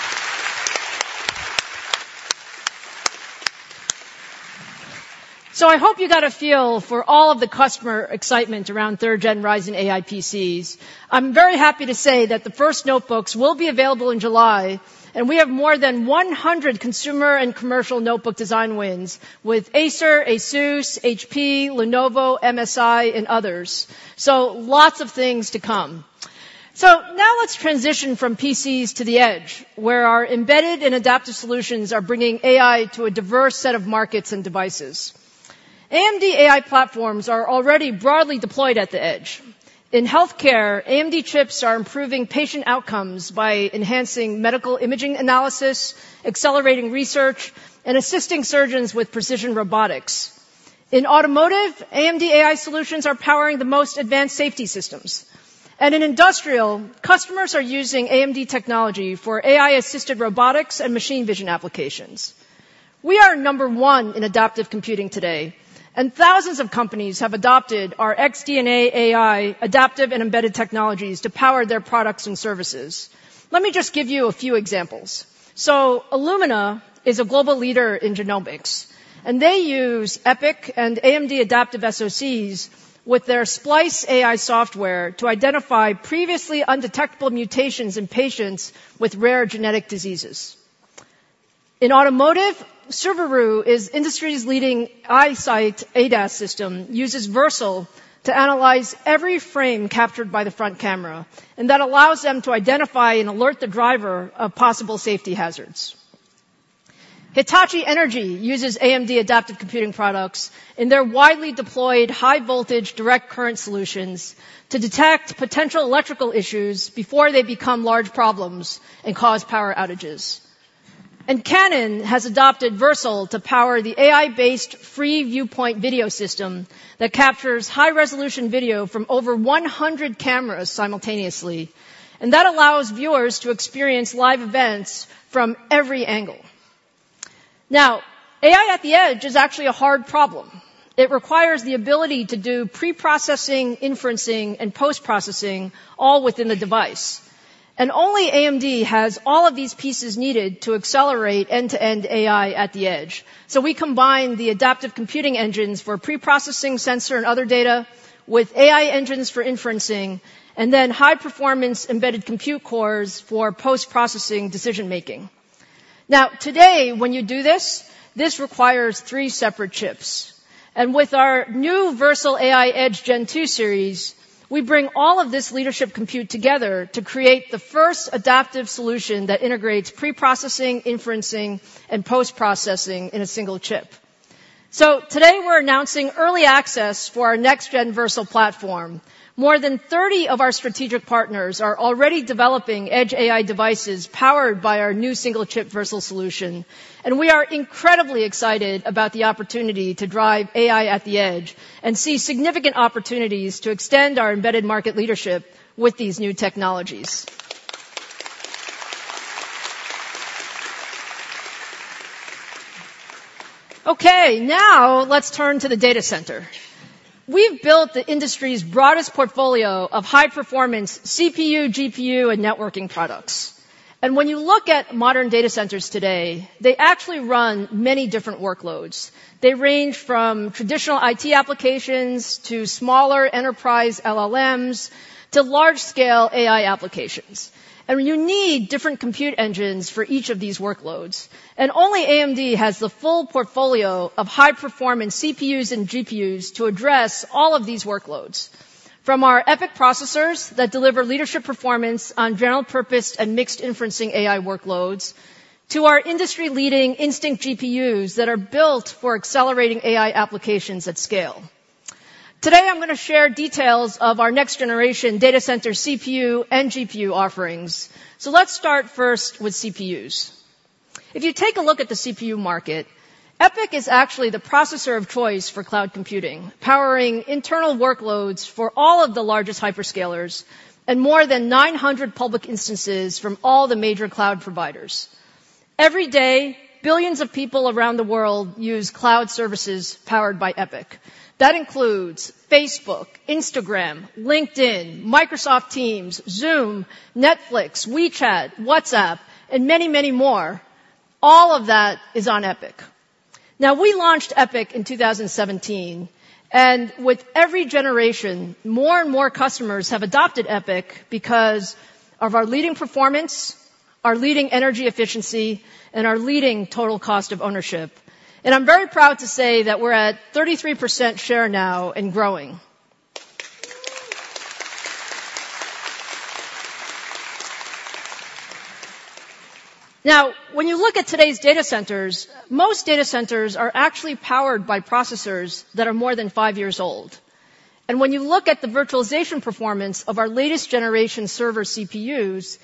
So I hope you got a feel for all of the customer excitement around third-gen Ryzen AI PCs. I'm very happy to say that the first notebooks will be available in July, and we have more than 100 consumer and commercial notebook design wins with Acer, ASUS, HP, Lenovo, MSI, and others. So lots of things to come. So now let's transition from PCs to the edge, where our embedded and adaptive solutions are bringing AI to a diverse set of markets and devices. AMD AI platforms are already broadly deployed at the edge. In healthcare, AMD chips are improving patient outcomes by enhancing medical imaging analysis, accelerating research, and assisting surgeons with precision robotics. In automotive, AMD AI solutions are powering the most advanced safety systems. And in industrial, customers are using AMD technology for AI-assisted robotics and machine vision applications. We are number one in adaptive computing today, and thousands of companies have adopted our XDNA AI adaptive and embedded technologies to power their products and services. Let me just give you a few examples. So Illumina is a global leader in genomics, and they use EPYC and AMD adaptive SoCs with their Splice AI software to identify previously undetectable mutations in patients with rare genetic diseases. In automotive, Subaru's industry's leading EyeSight ADAS system uses Versal to analyze every frame captured by the front camera, and that allows them to identify and alert the driver of possible safety hazards. Hitachi Energy uses AMD adaptive computing products in their widely deployed high-voltage direct current solutions to detect potential electrical issues before they become large problems and cause power outages. Canon has adopted Versal to power the AI-based free viewpoint video system that captures high-resolution video from over 100 cameras simultaneously, and that allows viewers to experience live events from every angle. Now, AI at the edge is actually a hard problem. It requires the ability to do pre-processing, inferencing, and post-processing all within the device, and only AMD has all of these pieces needed to accelerate end-to-end AI at the edge. So we combine the adaptive computing engines for pre-processing sensor and other data with AI engines for inferencing, and then high performance embedded compute cores for post-processing decision-making. Now, today, when you do this, this requires three separate chips, and with our new Versal AI Edge Gen 2 series, we bring all of this leadership compute together to create the first adaptive solution that integrates pre-processing, inferencing, and post-processing in a single chip. So today, we're announcing early access for our next gen Versal platform. More than 30 of our strategic partners are already developing edge AI devices powered by our new single-chip Versal solution, and we are incredibly excited about the opportunity to drive AI at the edge and see significant opportunities to extend our embedded market leadership with these new technologies. Okay, now let's turn to the data center. We've built the industry's broadest portfolio of high-performance CPU, GPU, and networking products. When you look at modern data centers today, they actually run many different workloads. They range from traditional IT applications to smaller enterprise LLMs, to large-scale AI applications. You need different compute engines for each of these workloads, and only AMD has the full portfolio of high-performance CPUs and GPUs to address all of these workloads, from our EPYC processors that deliver leadership performance on general-purpose and mixed inferencing AI workloads, to our industry-leading Instinct GPUs that are built for accelerating AI applications at scale. Today, I'm gonna share details of our next-generation data center CPU and GPU offerings. Let's start first with CPUs. If you take a look at the CPU market, EPYC is actually the processor of choice for cloud computing, powering internal workloads for all of the largest hyperscalers and more than 900 public instances from all the major cloud providers. Every day, billions of people around the world use cloud services powered by EPYC. That includes Facebook, Instagram, LinkedIn, Microsoft Teams, Zoom, Netflix, WeChat, WhatsApp, and many, many more. All of that is on EPYC. Now, we launched EPYC in 2017, and with every generation, more and more customers have adopted EPYC because of our leading performance, our leading energy efficiency, and our leading total cost of ownership. And I'm very proud to say that we're at 33% share now and growing. Now, when you look at today's data centers, most data centers are actually powered by processors that are more than 5 years old. And when you look at the virtualization performance of our latest generation server CPUs,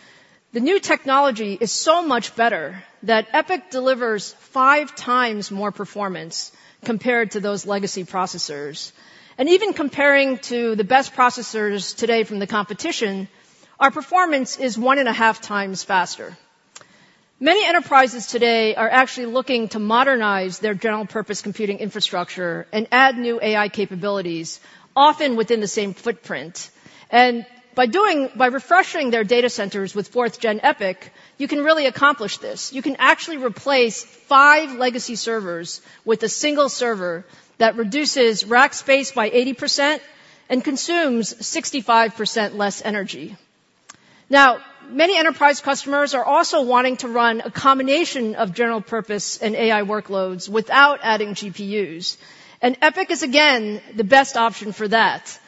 the new technology is so much better, that EPYC delivers 5 times more performance compared to those legacy processors. And even comparing to the best processors today from the competition, our performance is 1.5 times faster. Many enterprises today are actually looking to modernize their general-purpose computing infrastructure and add new AI capabilities, often within the same footprint. And by refreshing their data centers with fourth gen EPYC, you can really accomplish this. You can actually replace five legacy servers with a single server that reduces rack space by 80% and consumes 65% less energy. Now, many enterprise customers are also wanting to run a combination of general-purpose and AI workloads without adding GPUs, and EPYC is again, the best option for that.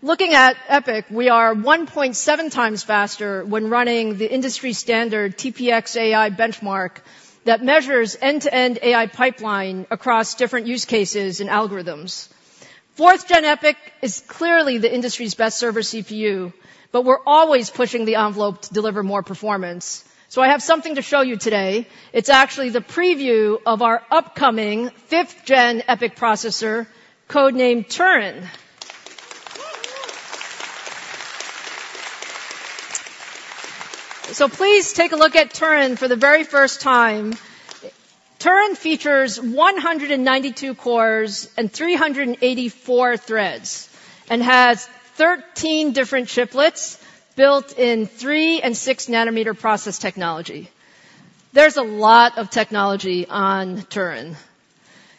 Looking at EPYC, we are 1.7 times faster when running the industry standard TPCx-AI benchmark that measures end-to-end AI pipeline across different use cases and algorithms. Fourth gen EPYC is clearly the industry's best server CPU, but we're always pushing the envelope to deliver more performance. So I have something to show you today. It's actually the preview of our upcoming 5th-gen EPYC processor, code-named Turin. So please take a look at Turin for the very first time. Turin features 192 cores and 384 threads and has 13 different chiplets built in 3- and 6-nanometer process technology. There's a lot of technology on Turin.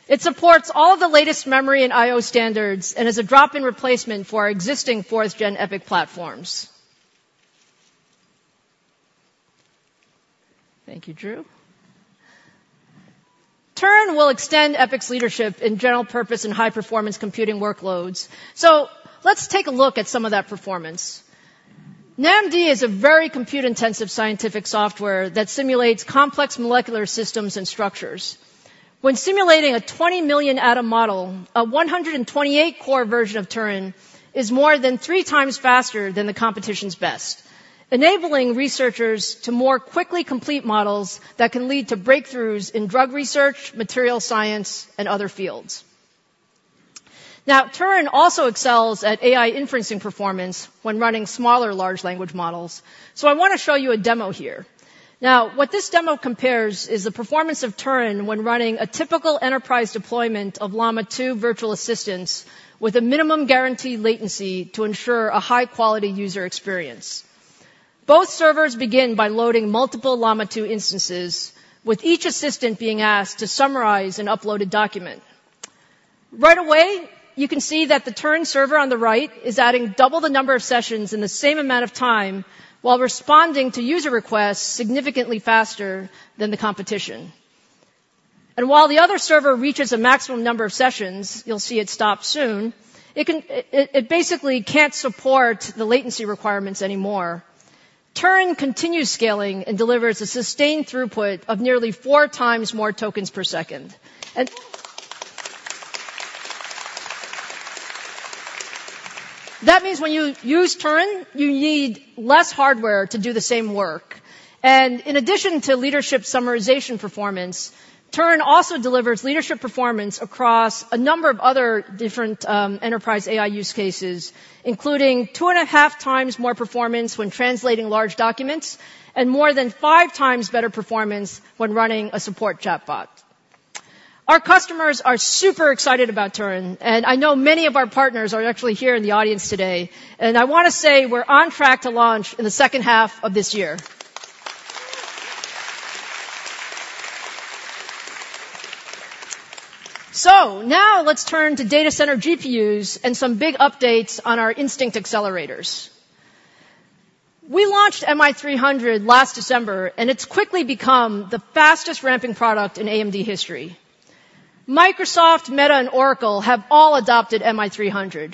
It supports all the latest memory and IO standards, and is a drop-in replacement for our existing 4th-gen EPYC platforms. Thank you, Drew. Turin will extend EPYC's leadership in general-purpose and high-performance computing workloads. So let's take a look at some of that performance. NAMD is a very compute-intensive scientific software that simulates complex molecular systems and structures.... When simulating a 20 million atom model, a 128-core version of Turin is more than three times faster than the competition's best, enabling researchers to more quickly complete models that can lead to breakthroughs in drug research, material science, and other fields. Now, Turin also excels at AI inferencing performance when running smaller large language models. So I wanna show you a demo here. Now, what this demo compares is the performance of Turin when running a typical enterprise deployment of Llama 2 virtual assistants, with a minimum guaranteed latency to ensure a high-quality user experience. Both servers begin by loading multiple Llama 2 instances, with each assistant being asked to summarize and upload a document. Right away, you can see that the Turin server on the right is adding double the number of sessions in the same amount of time, while responding to user requests significantly faster than the competition. While the other server reaches a maximum number of sessions, you'll see it stop soon; it basically can't support the latency requirements anymore. Turin continues scaling and delivers a sustained throughput of nearly 4 times more tokens per second. That means when you use Turin, you need less hardware to do the same work. In addition to leadership summarization performance, Turin also delivers leadership performance across a number of other different enterprise AI use cases, including 2.5 times more performance when translating large documents, and more than 5 times better performance when running a support chatbot. Our customers are super excited about Turin, and I know many of our partners are actually here in the audience today, and I wanna say we're on track to launch in the second half of this year. So now let's turn to data center GPUs and some big updates on our Instinct accelerators. We launched MI300 last December, and it's quickly become the fastest ramping product in AMD history. Microsoft, Meta, and Oracle have all adopted MI300.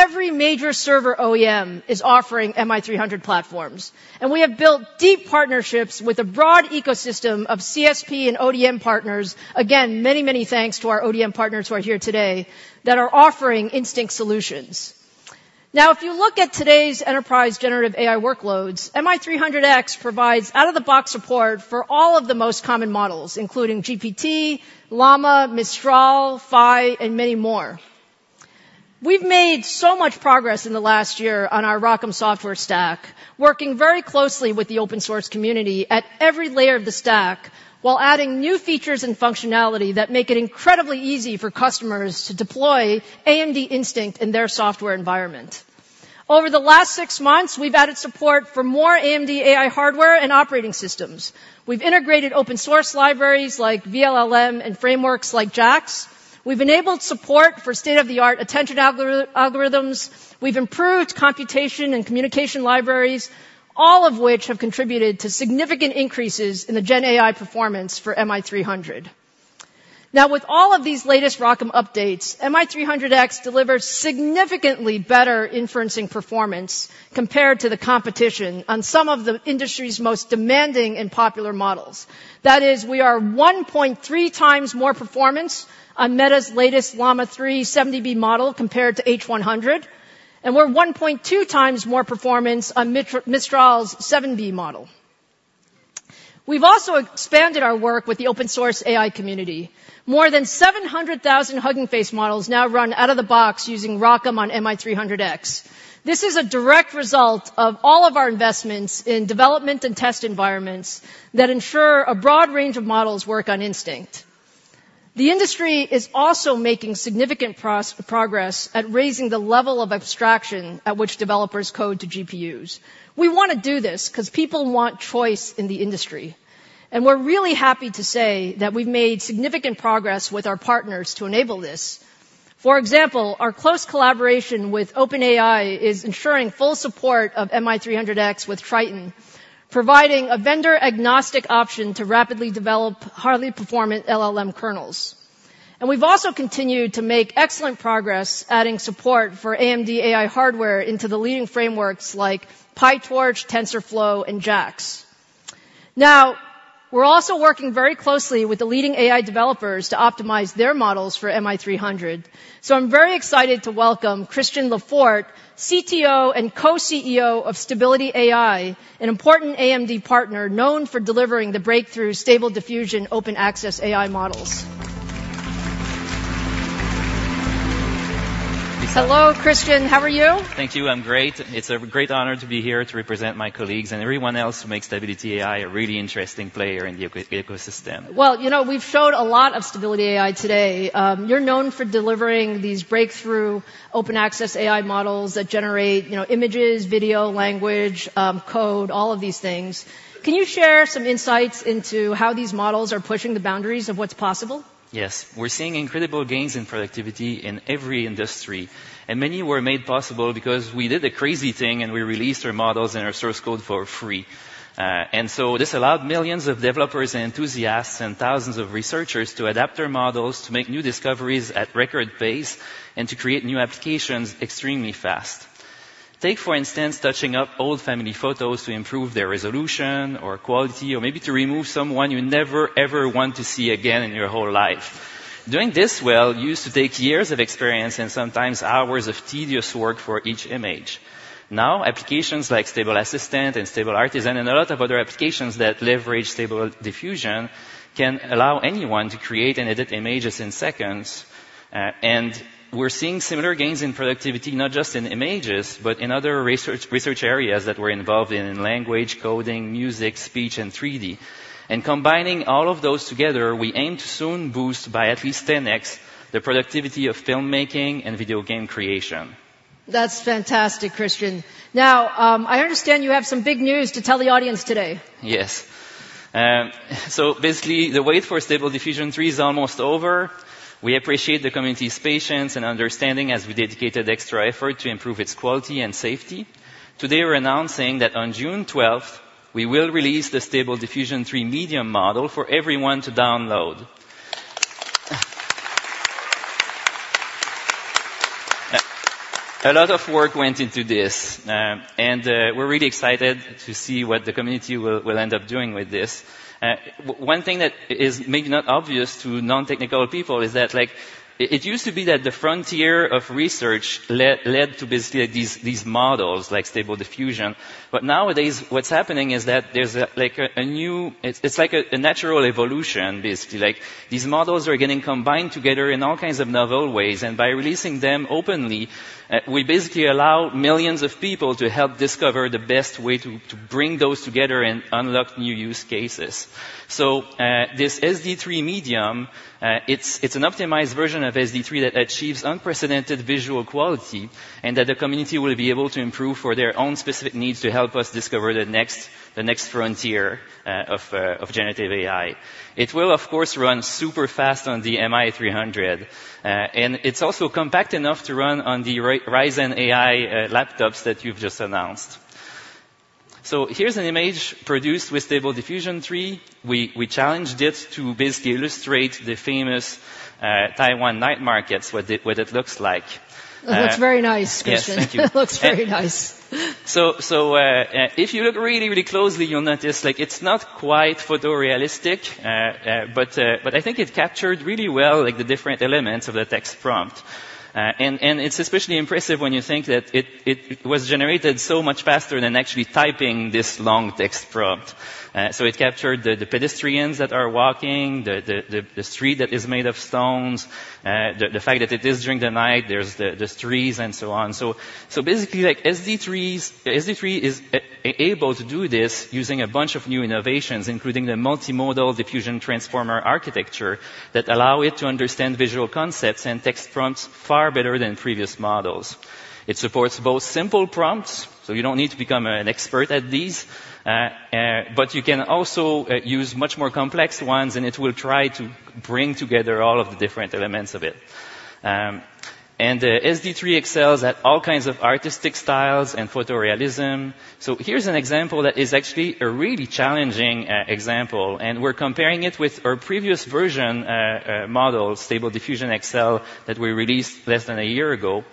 Every major server OEM is offering MI300 platforms, and we have built deep partnerships with a broad ecosystem of CSP and ODM partners. Again, many, many thanks to our ODM partners who are here today, that are offering Instinct solutions. Now, if you look at today's enterprise generative AI workloads, MI300x provides out-of-the-box support for all of the most common models, including GPT, Llama, Mistral, Phi, and many more. We've made so much progress in the last year on our ROCm software stack, working very closely with the open-source community at every layer of the stack, while adding new features and functionality that make it incredibly easy for customers to deploy AMD Instinct in their software environment. Over the last six months, we've added support for more AMD AI hardware and operating systems. We've integrated open-source libraries like vLLM and frameworks like JAX. We've enabled support for state-of-the-art attention algorithms. We've improved computation and communication libraries, all of which have contributed to significant increases in the gen AI performance for MI300. Now, with all of these latest ROCm updates, MI300x delivers significantly better inferencing performance compared to the competition on some of the industry's most demanding and popular models. That is, we are 1.3 times more performance on Meta's latest Llama 3 70B model compared to H100, and we're 1.2 times more performance on Mistral's 7B model. We've also expanded our work with the open-source AI community. More than 700,000 Hugging Face models now run out of the box using ROCm on MI300X. This is a direct result of all of our investments in development and test environments that ensure a broad range of models work on Instinct. The industry is also making significant progress at raising the level of abstraction at which developers code to GPUs. We wanna do this 'cause people want choice in the industry, and we're really happy to say that we've made significant progress with our partners to enable this. For example, our close collaboration with OpenAI is ensuring full support of MI300x with Triton, providing a vendor-agnostic option to rapidly develop highly performant LLM kernels. And we've also continued to make excellent progress adding support for AMD AI hardware into the leading frameworks like PyTorch, TensorFlow, and JAX. Now, we're also working very closely with the leading AI developers to optimize their models for MI300. So I'm very excited to welcome Christian Laforte, CTO and co-CEO of Stability AI, an important AMD partner known for delivering the breakthrough Stable Diffusion open-access AI models. Hello, Christian. How are you? Thank you. I'm great. It's a great honor to be here to represent my colleagues and everyone else who makes Stability AI a really interesting player in the ecosystem. Well, you know, we've showed a lot of Stability AI today. You're known for delivering these breakthrough open-access AI models that generate, you know, images, video, language, code, all of these things. Can you share some insights into how these models are pushing the boundaries of what's possible? Yes. We're seeing incredible gains in productivity in every industry, and many were made possible because we did a crazy thing, and we released our models and our source code for free. And so this allowed millions of developers and enthusiasts and thousands of researchers to adapt their models to make new discoveries at record pace and to create new applications extremely fast.... Take, for instance, touching up old family photos to improve their resolution or quality, or maybe to remove someone you never, ever want to see again in your whole life. Doing this well used to take years of experience and sometimes hours of tedious work for each image. Now, applications like Stable Assistant and Stable Artisan, and a lot of other applications that leverage stable diffusion, can allow anyone to create and edit images in seconds. We're seeing similar gains in productivity, not just in images, but in other research areas that we're involved in, in language, coding, music, speech, and 3D. Combining all of those together, we aim to soon boost by at least 10x the productivity of filmmaking and video game creation. That's fantastic, Christian. Now, I understand you have some big news to tell the audience today. Yes. So basically, the wait for Stable Diffusion 3 is almost over. We appreciate the community's patience and understanding as we dedicated extra effort to improve its quality and safety. Today, we're announcing that on June twelfth, we will release the Stable Diffusion 3 Medium model for everyone to download. A lot of work went into this, and we're really excited to see what the community will end up doing with this. One thing that is maybe not obvious to non-technical people is that, like, it used to be that the frontier of research led to basically, like, these models, like Stable Diffusion. But nowadays, what's happening is that there's like a new... It's like a natural evolution, basically. Like, these models are getting combined together in all kinds of novel ways, and by releasing them openly, we basically allow millions of people to help discover the best way to bring those together and unlock new use cases. So, this SD 3 medium, it's an optimized version of SD 3 that achieves unprecedented visual quality, and that the community will be able to improve for their own specific needs to help us discover the next frontier of generative AI. It will, of course, run super fast on the MI300, and it's also compact enough to run on the Ryzen AI laptops that you've just announced. So here's an image produced with Stable Diffusion 3. We challenged it to basically illustrate the famous Taiwan night markets, what it looks like. It looks very nice, Christian. Yes, thank you. It looks very nice. If you look really, really closely, you'll notice, like, it's not quite photorealistic, but I think it captured really well, like, the different elements of the text prompt. It's especially impressive when you think that it was generated so much faster than actually typing this long text prompt. So it captured the pedestrians that are walking, the street that is made of stones, the fact that it is during the night, there's trees and so on. Basically, like, SD 3 is able to do this using a bunch of new innovations, including the multimodal diffusion transformer architecture, that allow it to understand visual concepts and text prompts far better than previous models. It supports both simple prompts, so you don't need to become an expert at these, but you can also use much more complex ones, and it will try to bring together all of the different elements of it. SD 3 excels at all kinds of artistic styles and photorealism. Here's an example that is actually a really challenging example, and we're comparing it with our previous version model, Stable Diffusion XL, that we released less than a year ago.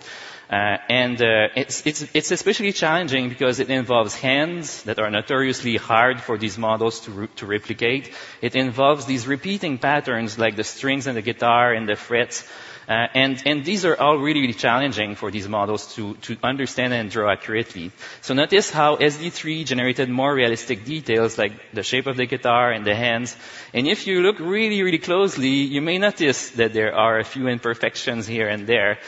It's especially challenging because it involves hands that are notoriously hard for these models to replicate. It involves these repeating patterns, like the strings on the guitar and the frets. These are all really, really challenging for these models to understand and draw accurately. So notice how SD 3 generated more realistic details, like the shape of the guitar and the hands, and if you look really, really closely, you may notice that there are a few imperfections here and there.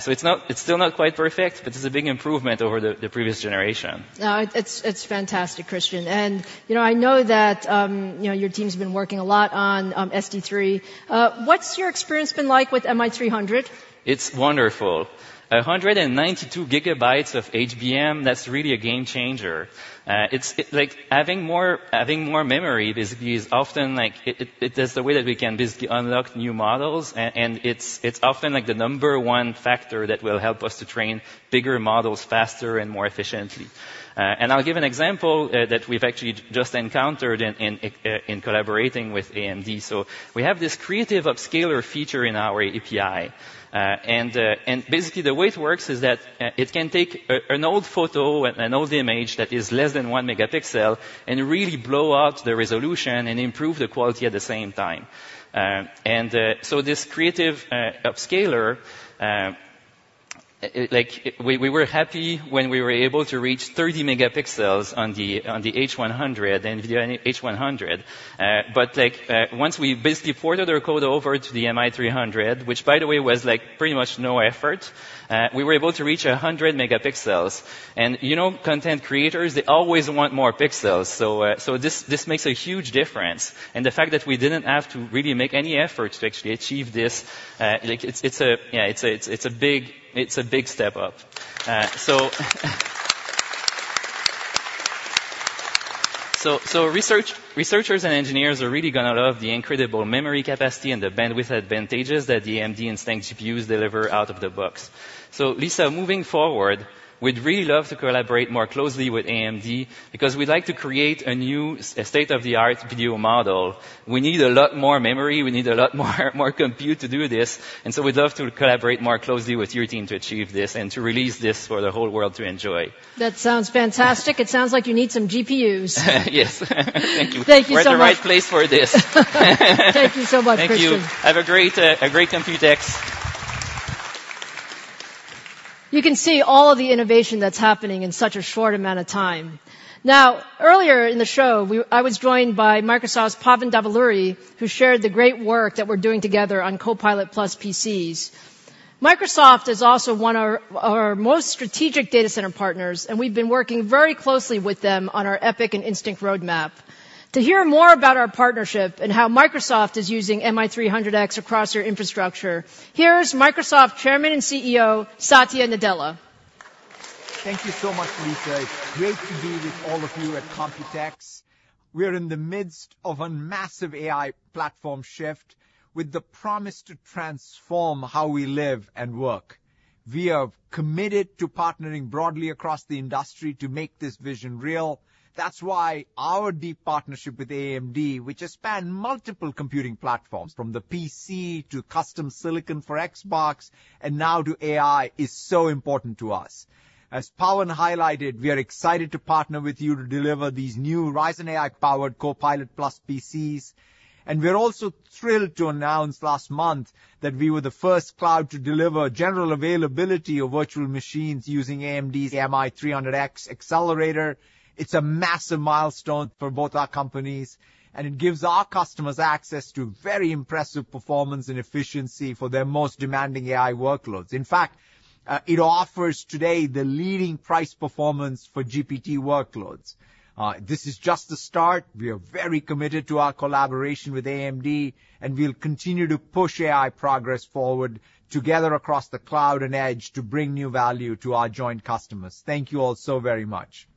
So it's not... It's still not quite perfect, but it's a big improvement over the previous generation. No, it's, it's fantastic, Christian. And, you know, I know that, you know, your team's been working a lot on SD 3. What's your experience been like with MI300? It's wonderful. 192 gigabytes of HBM, that's really a game changer. It's like, having more memory basically is often like, it's the way that we can basically unlock new models, and it's often, like, the number one factor that will help us to train bigger models faster and more efficiently. And I'll give an example, that we've actually just encountered in collaborating with AMD. So we have this creative upscaler feature in our API, and basically, the way it works is that, it can take an old photo, an old image that is less than 1 megapixel, and really blow out the resolution and improve the quality at the same time. So this creative upscaler, like, we were happy when we were able to reach 30 megapixels on the H100, NVIDIA H100. But, like, once we basically ported our code over to the MI300, which by the way, was like, pretty much no effort, we were able to reach 100 megapixels. And, you know, content creators, they always want more pixels, so this makes a huge difference. And the fact that we didn't have to really make any effort to actually achieve this, like, it's a... Yeah, it's a big step up. So, researchers and engineers are really gonna love the incredible memory capacity and the bandwidth advantages that the AMD Instinct GPUs deliver out of the box. So, Lisa, moving forward, we'd really love to collaborate more closely with AMD because we'd like to create a new a state-of-the-art video model. We need a lot more memory. We need a lot more compute to do this, and so we'd love to collaborate more closely with your team to achieve this and to release this for the whole world to enjoy. That sounds fantastic. It sounds like you need some GPUs. Yes. Thank you. Thank you so much. We're at the right place for this. Thank you so much, Christian. Thank you. Have a great, a great Computex. ... You can see all of the innovation that's happening in such a short amount of time. Now, earlier in the show, I was joined by Microsoft's Pavan Davuluri, who shared the great work that we're doing together on Copilot Plus PCs. Microsoft is also one of our most strategic data center partners, and we've been working very closely with them on our EPYC and Instinct roadmap. To hear more about our partnership and how Microsoft is using MI300X across their infrastructure, here's Microsoft Chairman and CEO, Satya Nadella. Thank you so much, Lisa. It's great to be with all of you at Computex. We're in the midst of a massive AI platform shift with the promise to transform how we live and work. We are committed to partnering broadly across the industry to make this vision real. That's why our deep partnership with AMD, which has spanned multiple computing platforms, from the PC to custom silicon for Xbox, and now to AI, is so important to us. As Pavan highlighted, we are excited to partner with you to deliver these new Ryzen AI-powered Copilot Plus PCs, and we're also thrilled to announce last month that we were the first cloud to deliver general availability of virtual machines using AMD's MI300X accelerator. It's a massive milestone for both our companies, and it gives our customers access to very impressive performance and efficiency for their most demanding AI workloads. In fact, it offers today the leading price performance for GPT workloads. This is just the start. We are very committed to our collaboration with AMD, and we'll continue to push AI progress forward together across the cloud and edge to bring new value to our joint customers. Thank you all so very much.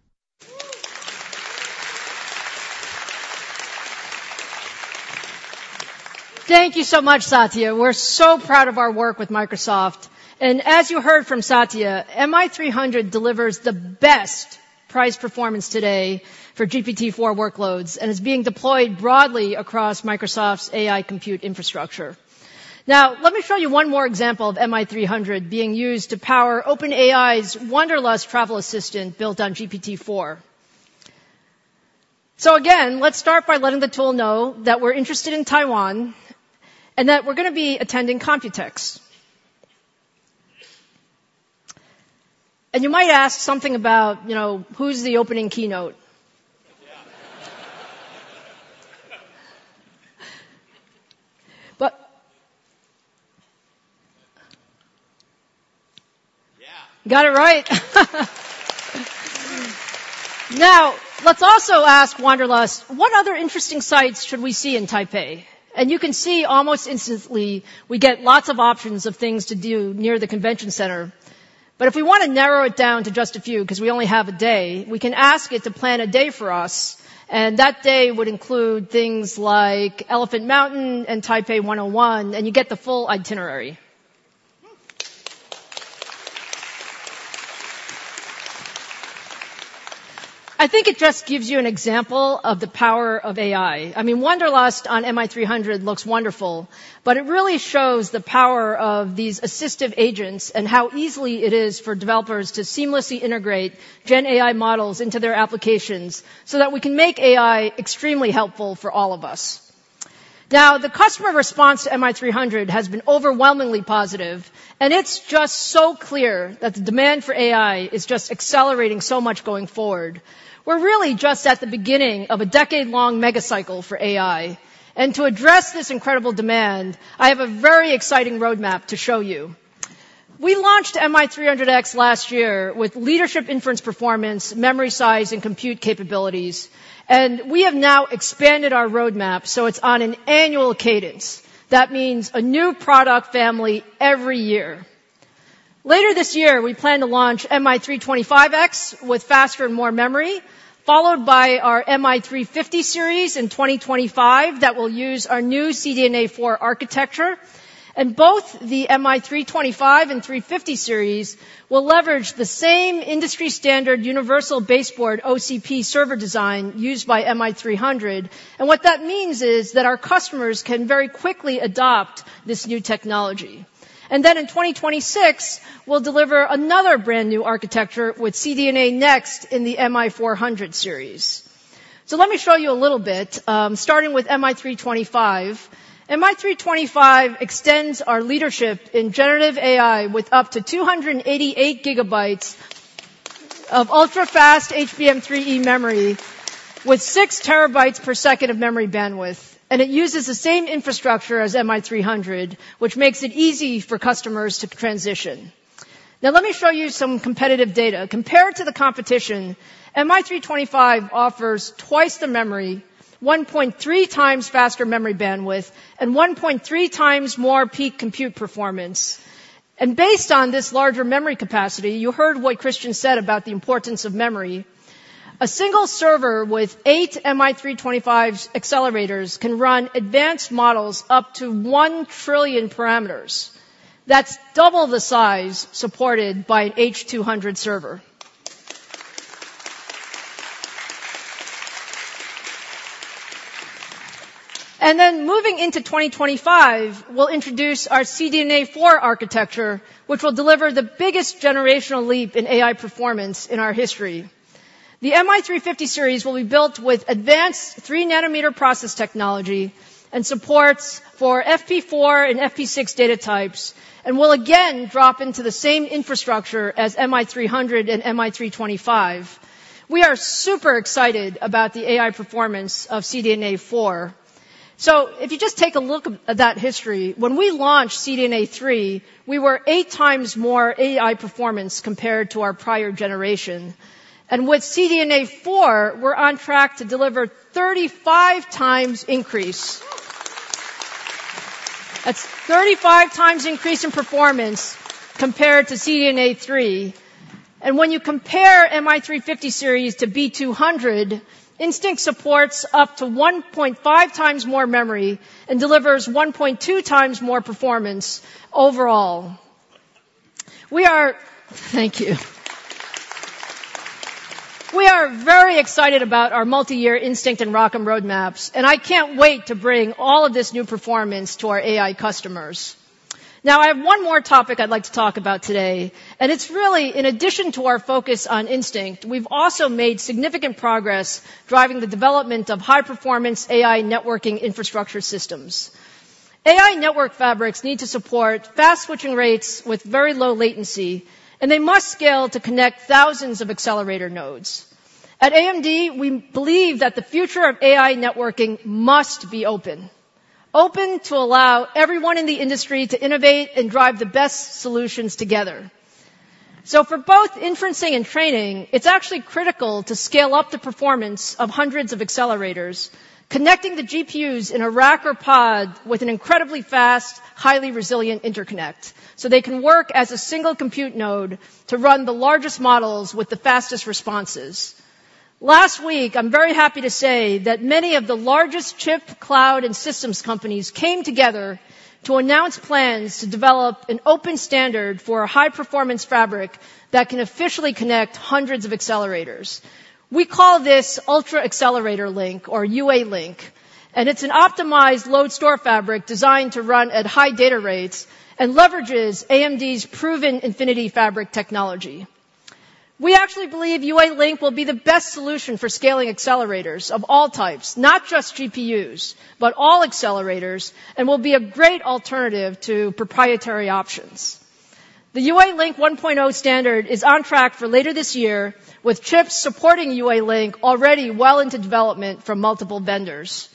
Thank you so much, Satya. We're so proud of our work with Microsoft. And as you heard from Satya, MI300 delivers the best price performance today for GPT-4 workloads and is being deployed broadly across Microsoft's AI compute infrastructure. Now, let me show you one more example of MI300 being used to power OpenAI's Wanderlust travel assistant, built on GPT-4. So again, let's start by letting the tool know that we're interested in Taiwan and that we're gonna be attending Computex. And you might ask something about, you know, who's the opening keynote? But... Yeah! Got it right. Now, let's also ask Wanderlust what other interesting sites should we see in Taipei? And you can see almost instantly, we get lots of options of things to do near the convention center. But if we wanna narrow it down to just a few, 'cause we only have a day, we can ask it to plan a day for us, and that day would include things like Elephant Mountain and Taipei 101, and you get the full itinerary. I think it just gives you an example of the power of AI. I mean, Wanderlust on MI300 looks wonderful, but it really shows the power of these assistive agents and how easily it is for developers to seamlessly integrate gen AI models into their applications so that we can make AI extremely helpful for all of us. Now, the customer response to MI300 has been overwhelmingly positive, and it's just so clear that the demand for AI is just accelerating so much going forward. We're really just at the beginning of a decade-long mega cycle for AI, and to address this incredible demand, I have a very exciting roadmap to show you. We launched MI300X last year with leadership inference performance, memory size, and compute capabilities, and we have now expanded our roadmap, so it's on an annual cadence. That means a new product family every year. Later this year, we plan to launch MI325X with faster and more memory, followed by our MI350 series in 2025, that will use our new CDNA 4 architecture. And both the MI325X and MI350 series will leverage the same industry-standard universal baseboard OCP server design used by MI300. And what that means is that our customers can very quickly adopt this new technology. And then in 2026, we'll deliver another brand-new architecture with CDNA Next in the MI400 series. So let me show you a little bit, starting with MI325. MI325 extends our leadership in generative AI with up to 288 GB of ultra-fast HBM3E memory, with 6 TB/s of memory bandwidth, and it uses the same infrastructure as MI300, which makes it easy for customers to transition. Now, let me show you some competitive data. Compared to the competition, MI325 offers twice the memory, 1.3 times faster memory bandwidth, and 1.3 times more peak compute performance. Based on this larger memory capacity, you heard what Christian said about the importance of memory, a single server with 8 MI325 accelerators can run advanced models up to 1 trillion parameters. That's double the size supported by an H200 server. Then, moving into 2025, we'll introduce our CDNA 4 architecture, which will deliver the biggest generational leap in AI performance in our history. The MI350 series will be built with advanced 3-nanometer process technology and supports for FP4 and FP6 data types, and will again drop into the same infrastructure as MI300 and MI325. We are super excited about the AI performance of CDNA 4. So if you just take a look at that history, when we launched CDNA 3, we were 8 times more AI performance compared to our prior generation, and with CDNA 4, we're on track to deliver 35x increase. That's 35 times increase in performance compared to CDNA-3, and when you compare MI350 series to B200, Instinct supports up to 1.5 times more memory and delivers 1.2 times more performance overall. Thank you. We are very excited about our multi-year Instinct and ROCm roadmaps, and I can't wait to bring all of this new performance to our AI customers. Now, I have one more topic I'd like to talk about today, and it's really in addition to our focus on Instinct, we've also made significant progress driving the development of high-performance AI networking infrastructure systems. AI network fabrics need to support fast switching rates with very low latency, and they must scale to connect thousands of accelerator nodes. At AMD, we believe that the future of AI networking must be open. Open to allow everyone in the industry to innovate and drive the best solutions together. So for both inferencing and training, it's actually critical to scale up the performance of hundreds of accelerators, connecting the GPUs in a rack or pod with an incredibly fast, highly resilient interconnect, so they can work as a single compute node to run the largest models with the fastest responses. Last week, I'm very happy to say that many of the largest chip, cloud, and systems companies came together to announce plans to develop an open standard for a high-performance fabric that can officially connect hundreds of accelerators. We call this Ultra Accelerator Link, or UA Link, and it's an optimized load store fabric designed to run at high data rates and leverages AMD's proven Infinity Fabric technology. We actually believe UA Link will be the best solution for scaling accelerators of all types, not just GPUs, but all accelerators, and will be a great alternative to proprietary options. The UA Link 1.0 standard is on track for later this year, with chips supporting UA Link already well into development from multiple vendors.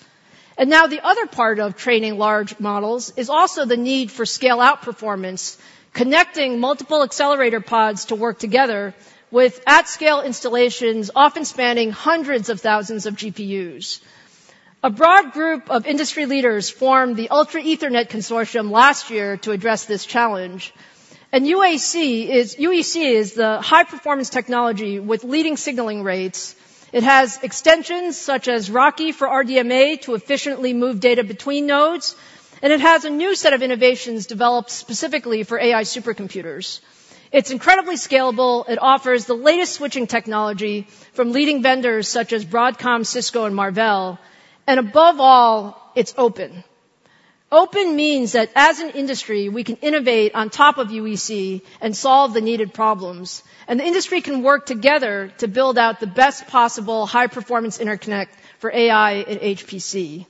And now the other part of training large models is also the need for scale-out performance, connecting multiple accelerator pods to work together with at-scale installations, often spanning hundreds of thousands of GPUs. A broad group of industry leaders formed the Ultra Ethernet Consortium last year to address this challenge, and UEC is the high-performance technology with leading signaling rates. It has extensions such as RoCE for RDMA to efficiently move data between nodes, and it has a new set of innovations developed specifically for AI supercomputers. It's incredibly scalable. It offers the latest switching technology from leading vendors such as Broadcom, Cisco, and Marvell, and above all, it's open. Open means that as an industry, we can innovate on top of UEC and solve the needed problems, and the industry can work together to build out the best possible high-performance interconnect for AI and HPC.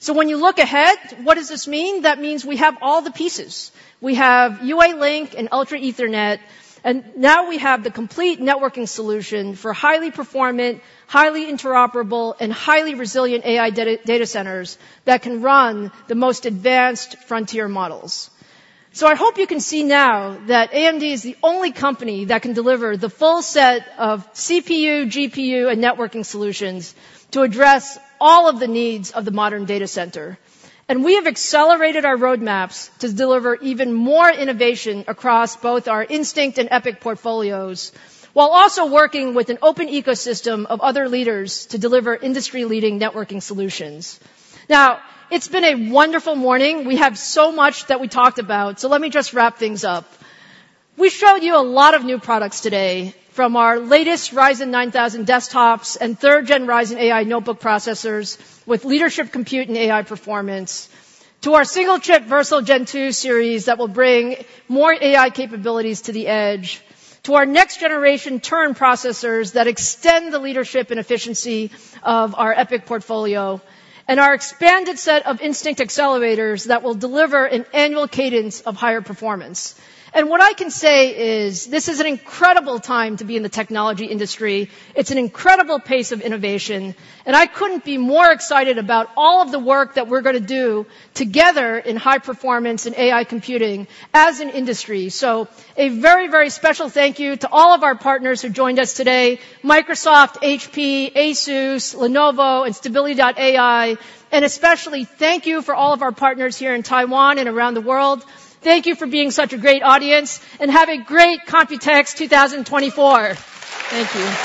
So when you look ahead, what does this mean? That means we have all the pieces. We have UALink and Ultra Ethernet, and now we have the complete networking solution for highly performant, highly interoperable, and highly resilient AI data centers that can run the most advanced frontier models. So I hope you can see now that AMD is the only company that can deliver the full set of CPU, GPU, and networking solutions to address all of the needs of the modern data center. We have accelerated our roadmaps to deliver even more innovation across both our Instinct and EPYC portfolios, while also working with an open ecosystem of other leaders to deliver industry-leading networking solutions. Now, it's been a wonderful morning. We have so much that we talked about, so let me just wrap things up. We showed you a lot of new products today, from our latest Ryzen 9000 desktops and third-gen Ryzen AI notebook processors with leadership compute and AI performance, to our single-chip Versal Gen 2 series that will bring more AI capabilities to the edge, to our next generation Turin processors that extend the leadership and efficiency of our EPYC portfolio, and our expanded set of Instinct accelerators that will deliver an annual cadence of higher performance. What I can say is this is an incredible time to be in the technology industry. It's an incredible pace of innovation, and I couldn't be more excited about all of the work that we're gonna do together in high performance and AI computing as an industry. So a very, very special thank you to all of our partners who joined us today, Microsoft, HP, Asus, Lenovo, and Stability.ai, and especially thank you for all of our partners here in Taiwan and around the world. Thank you for being such a great audience, and have a great Computex 2024. Thank you.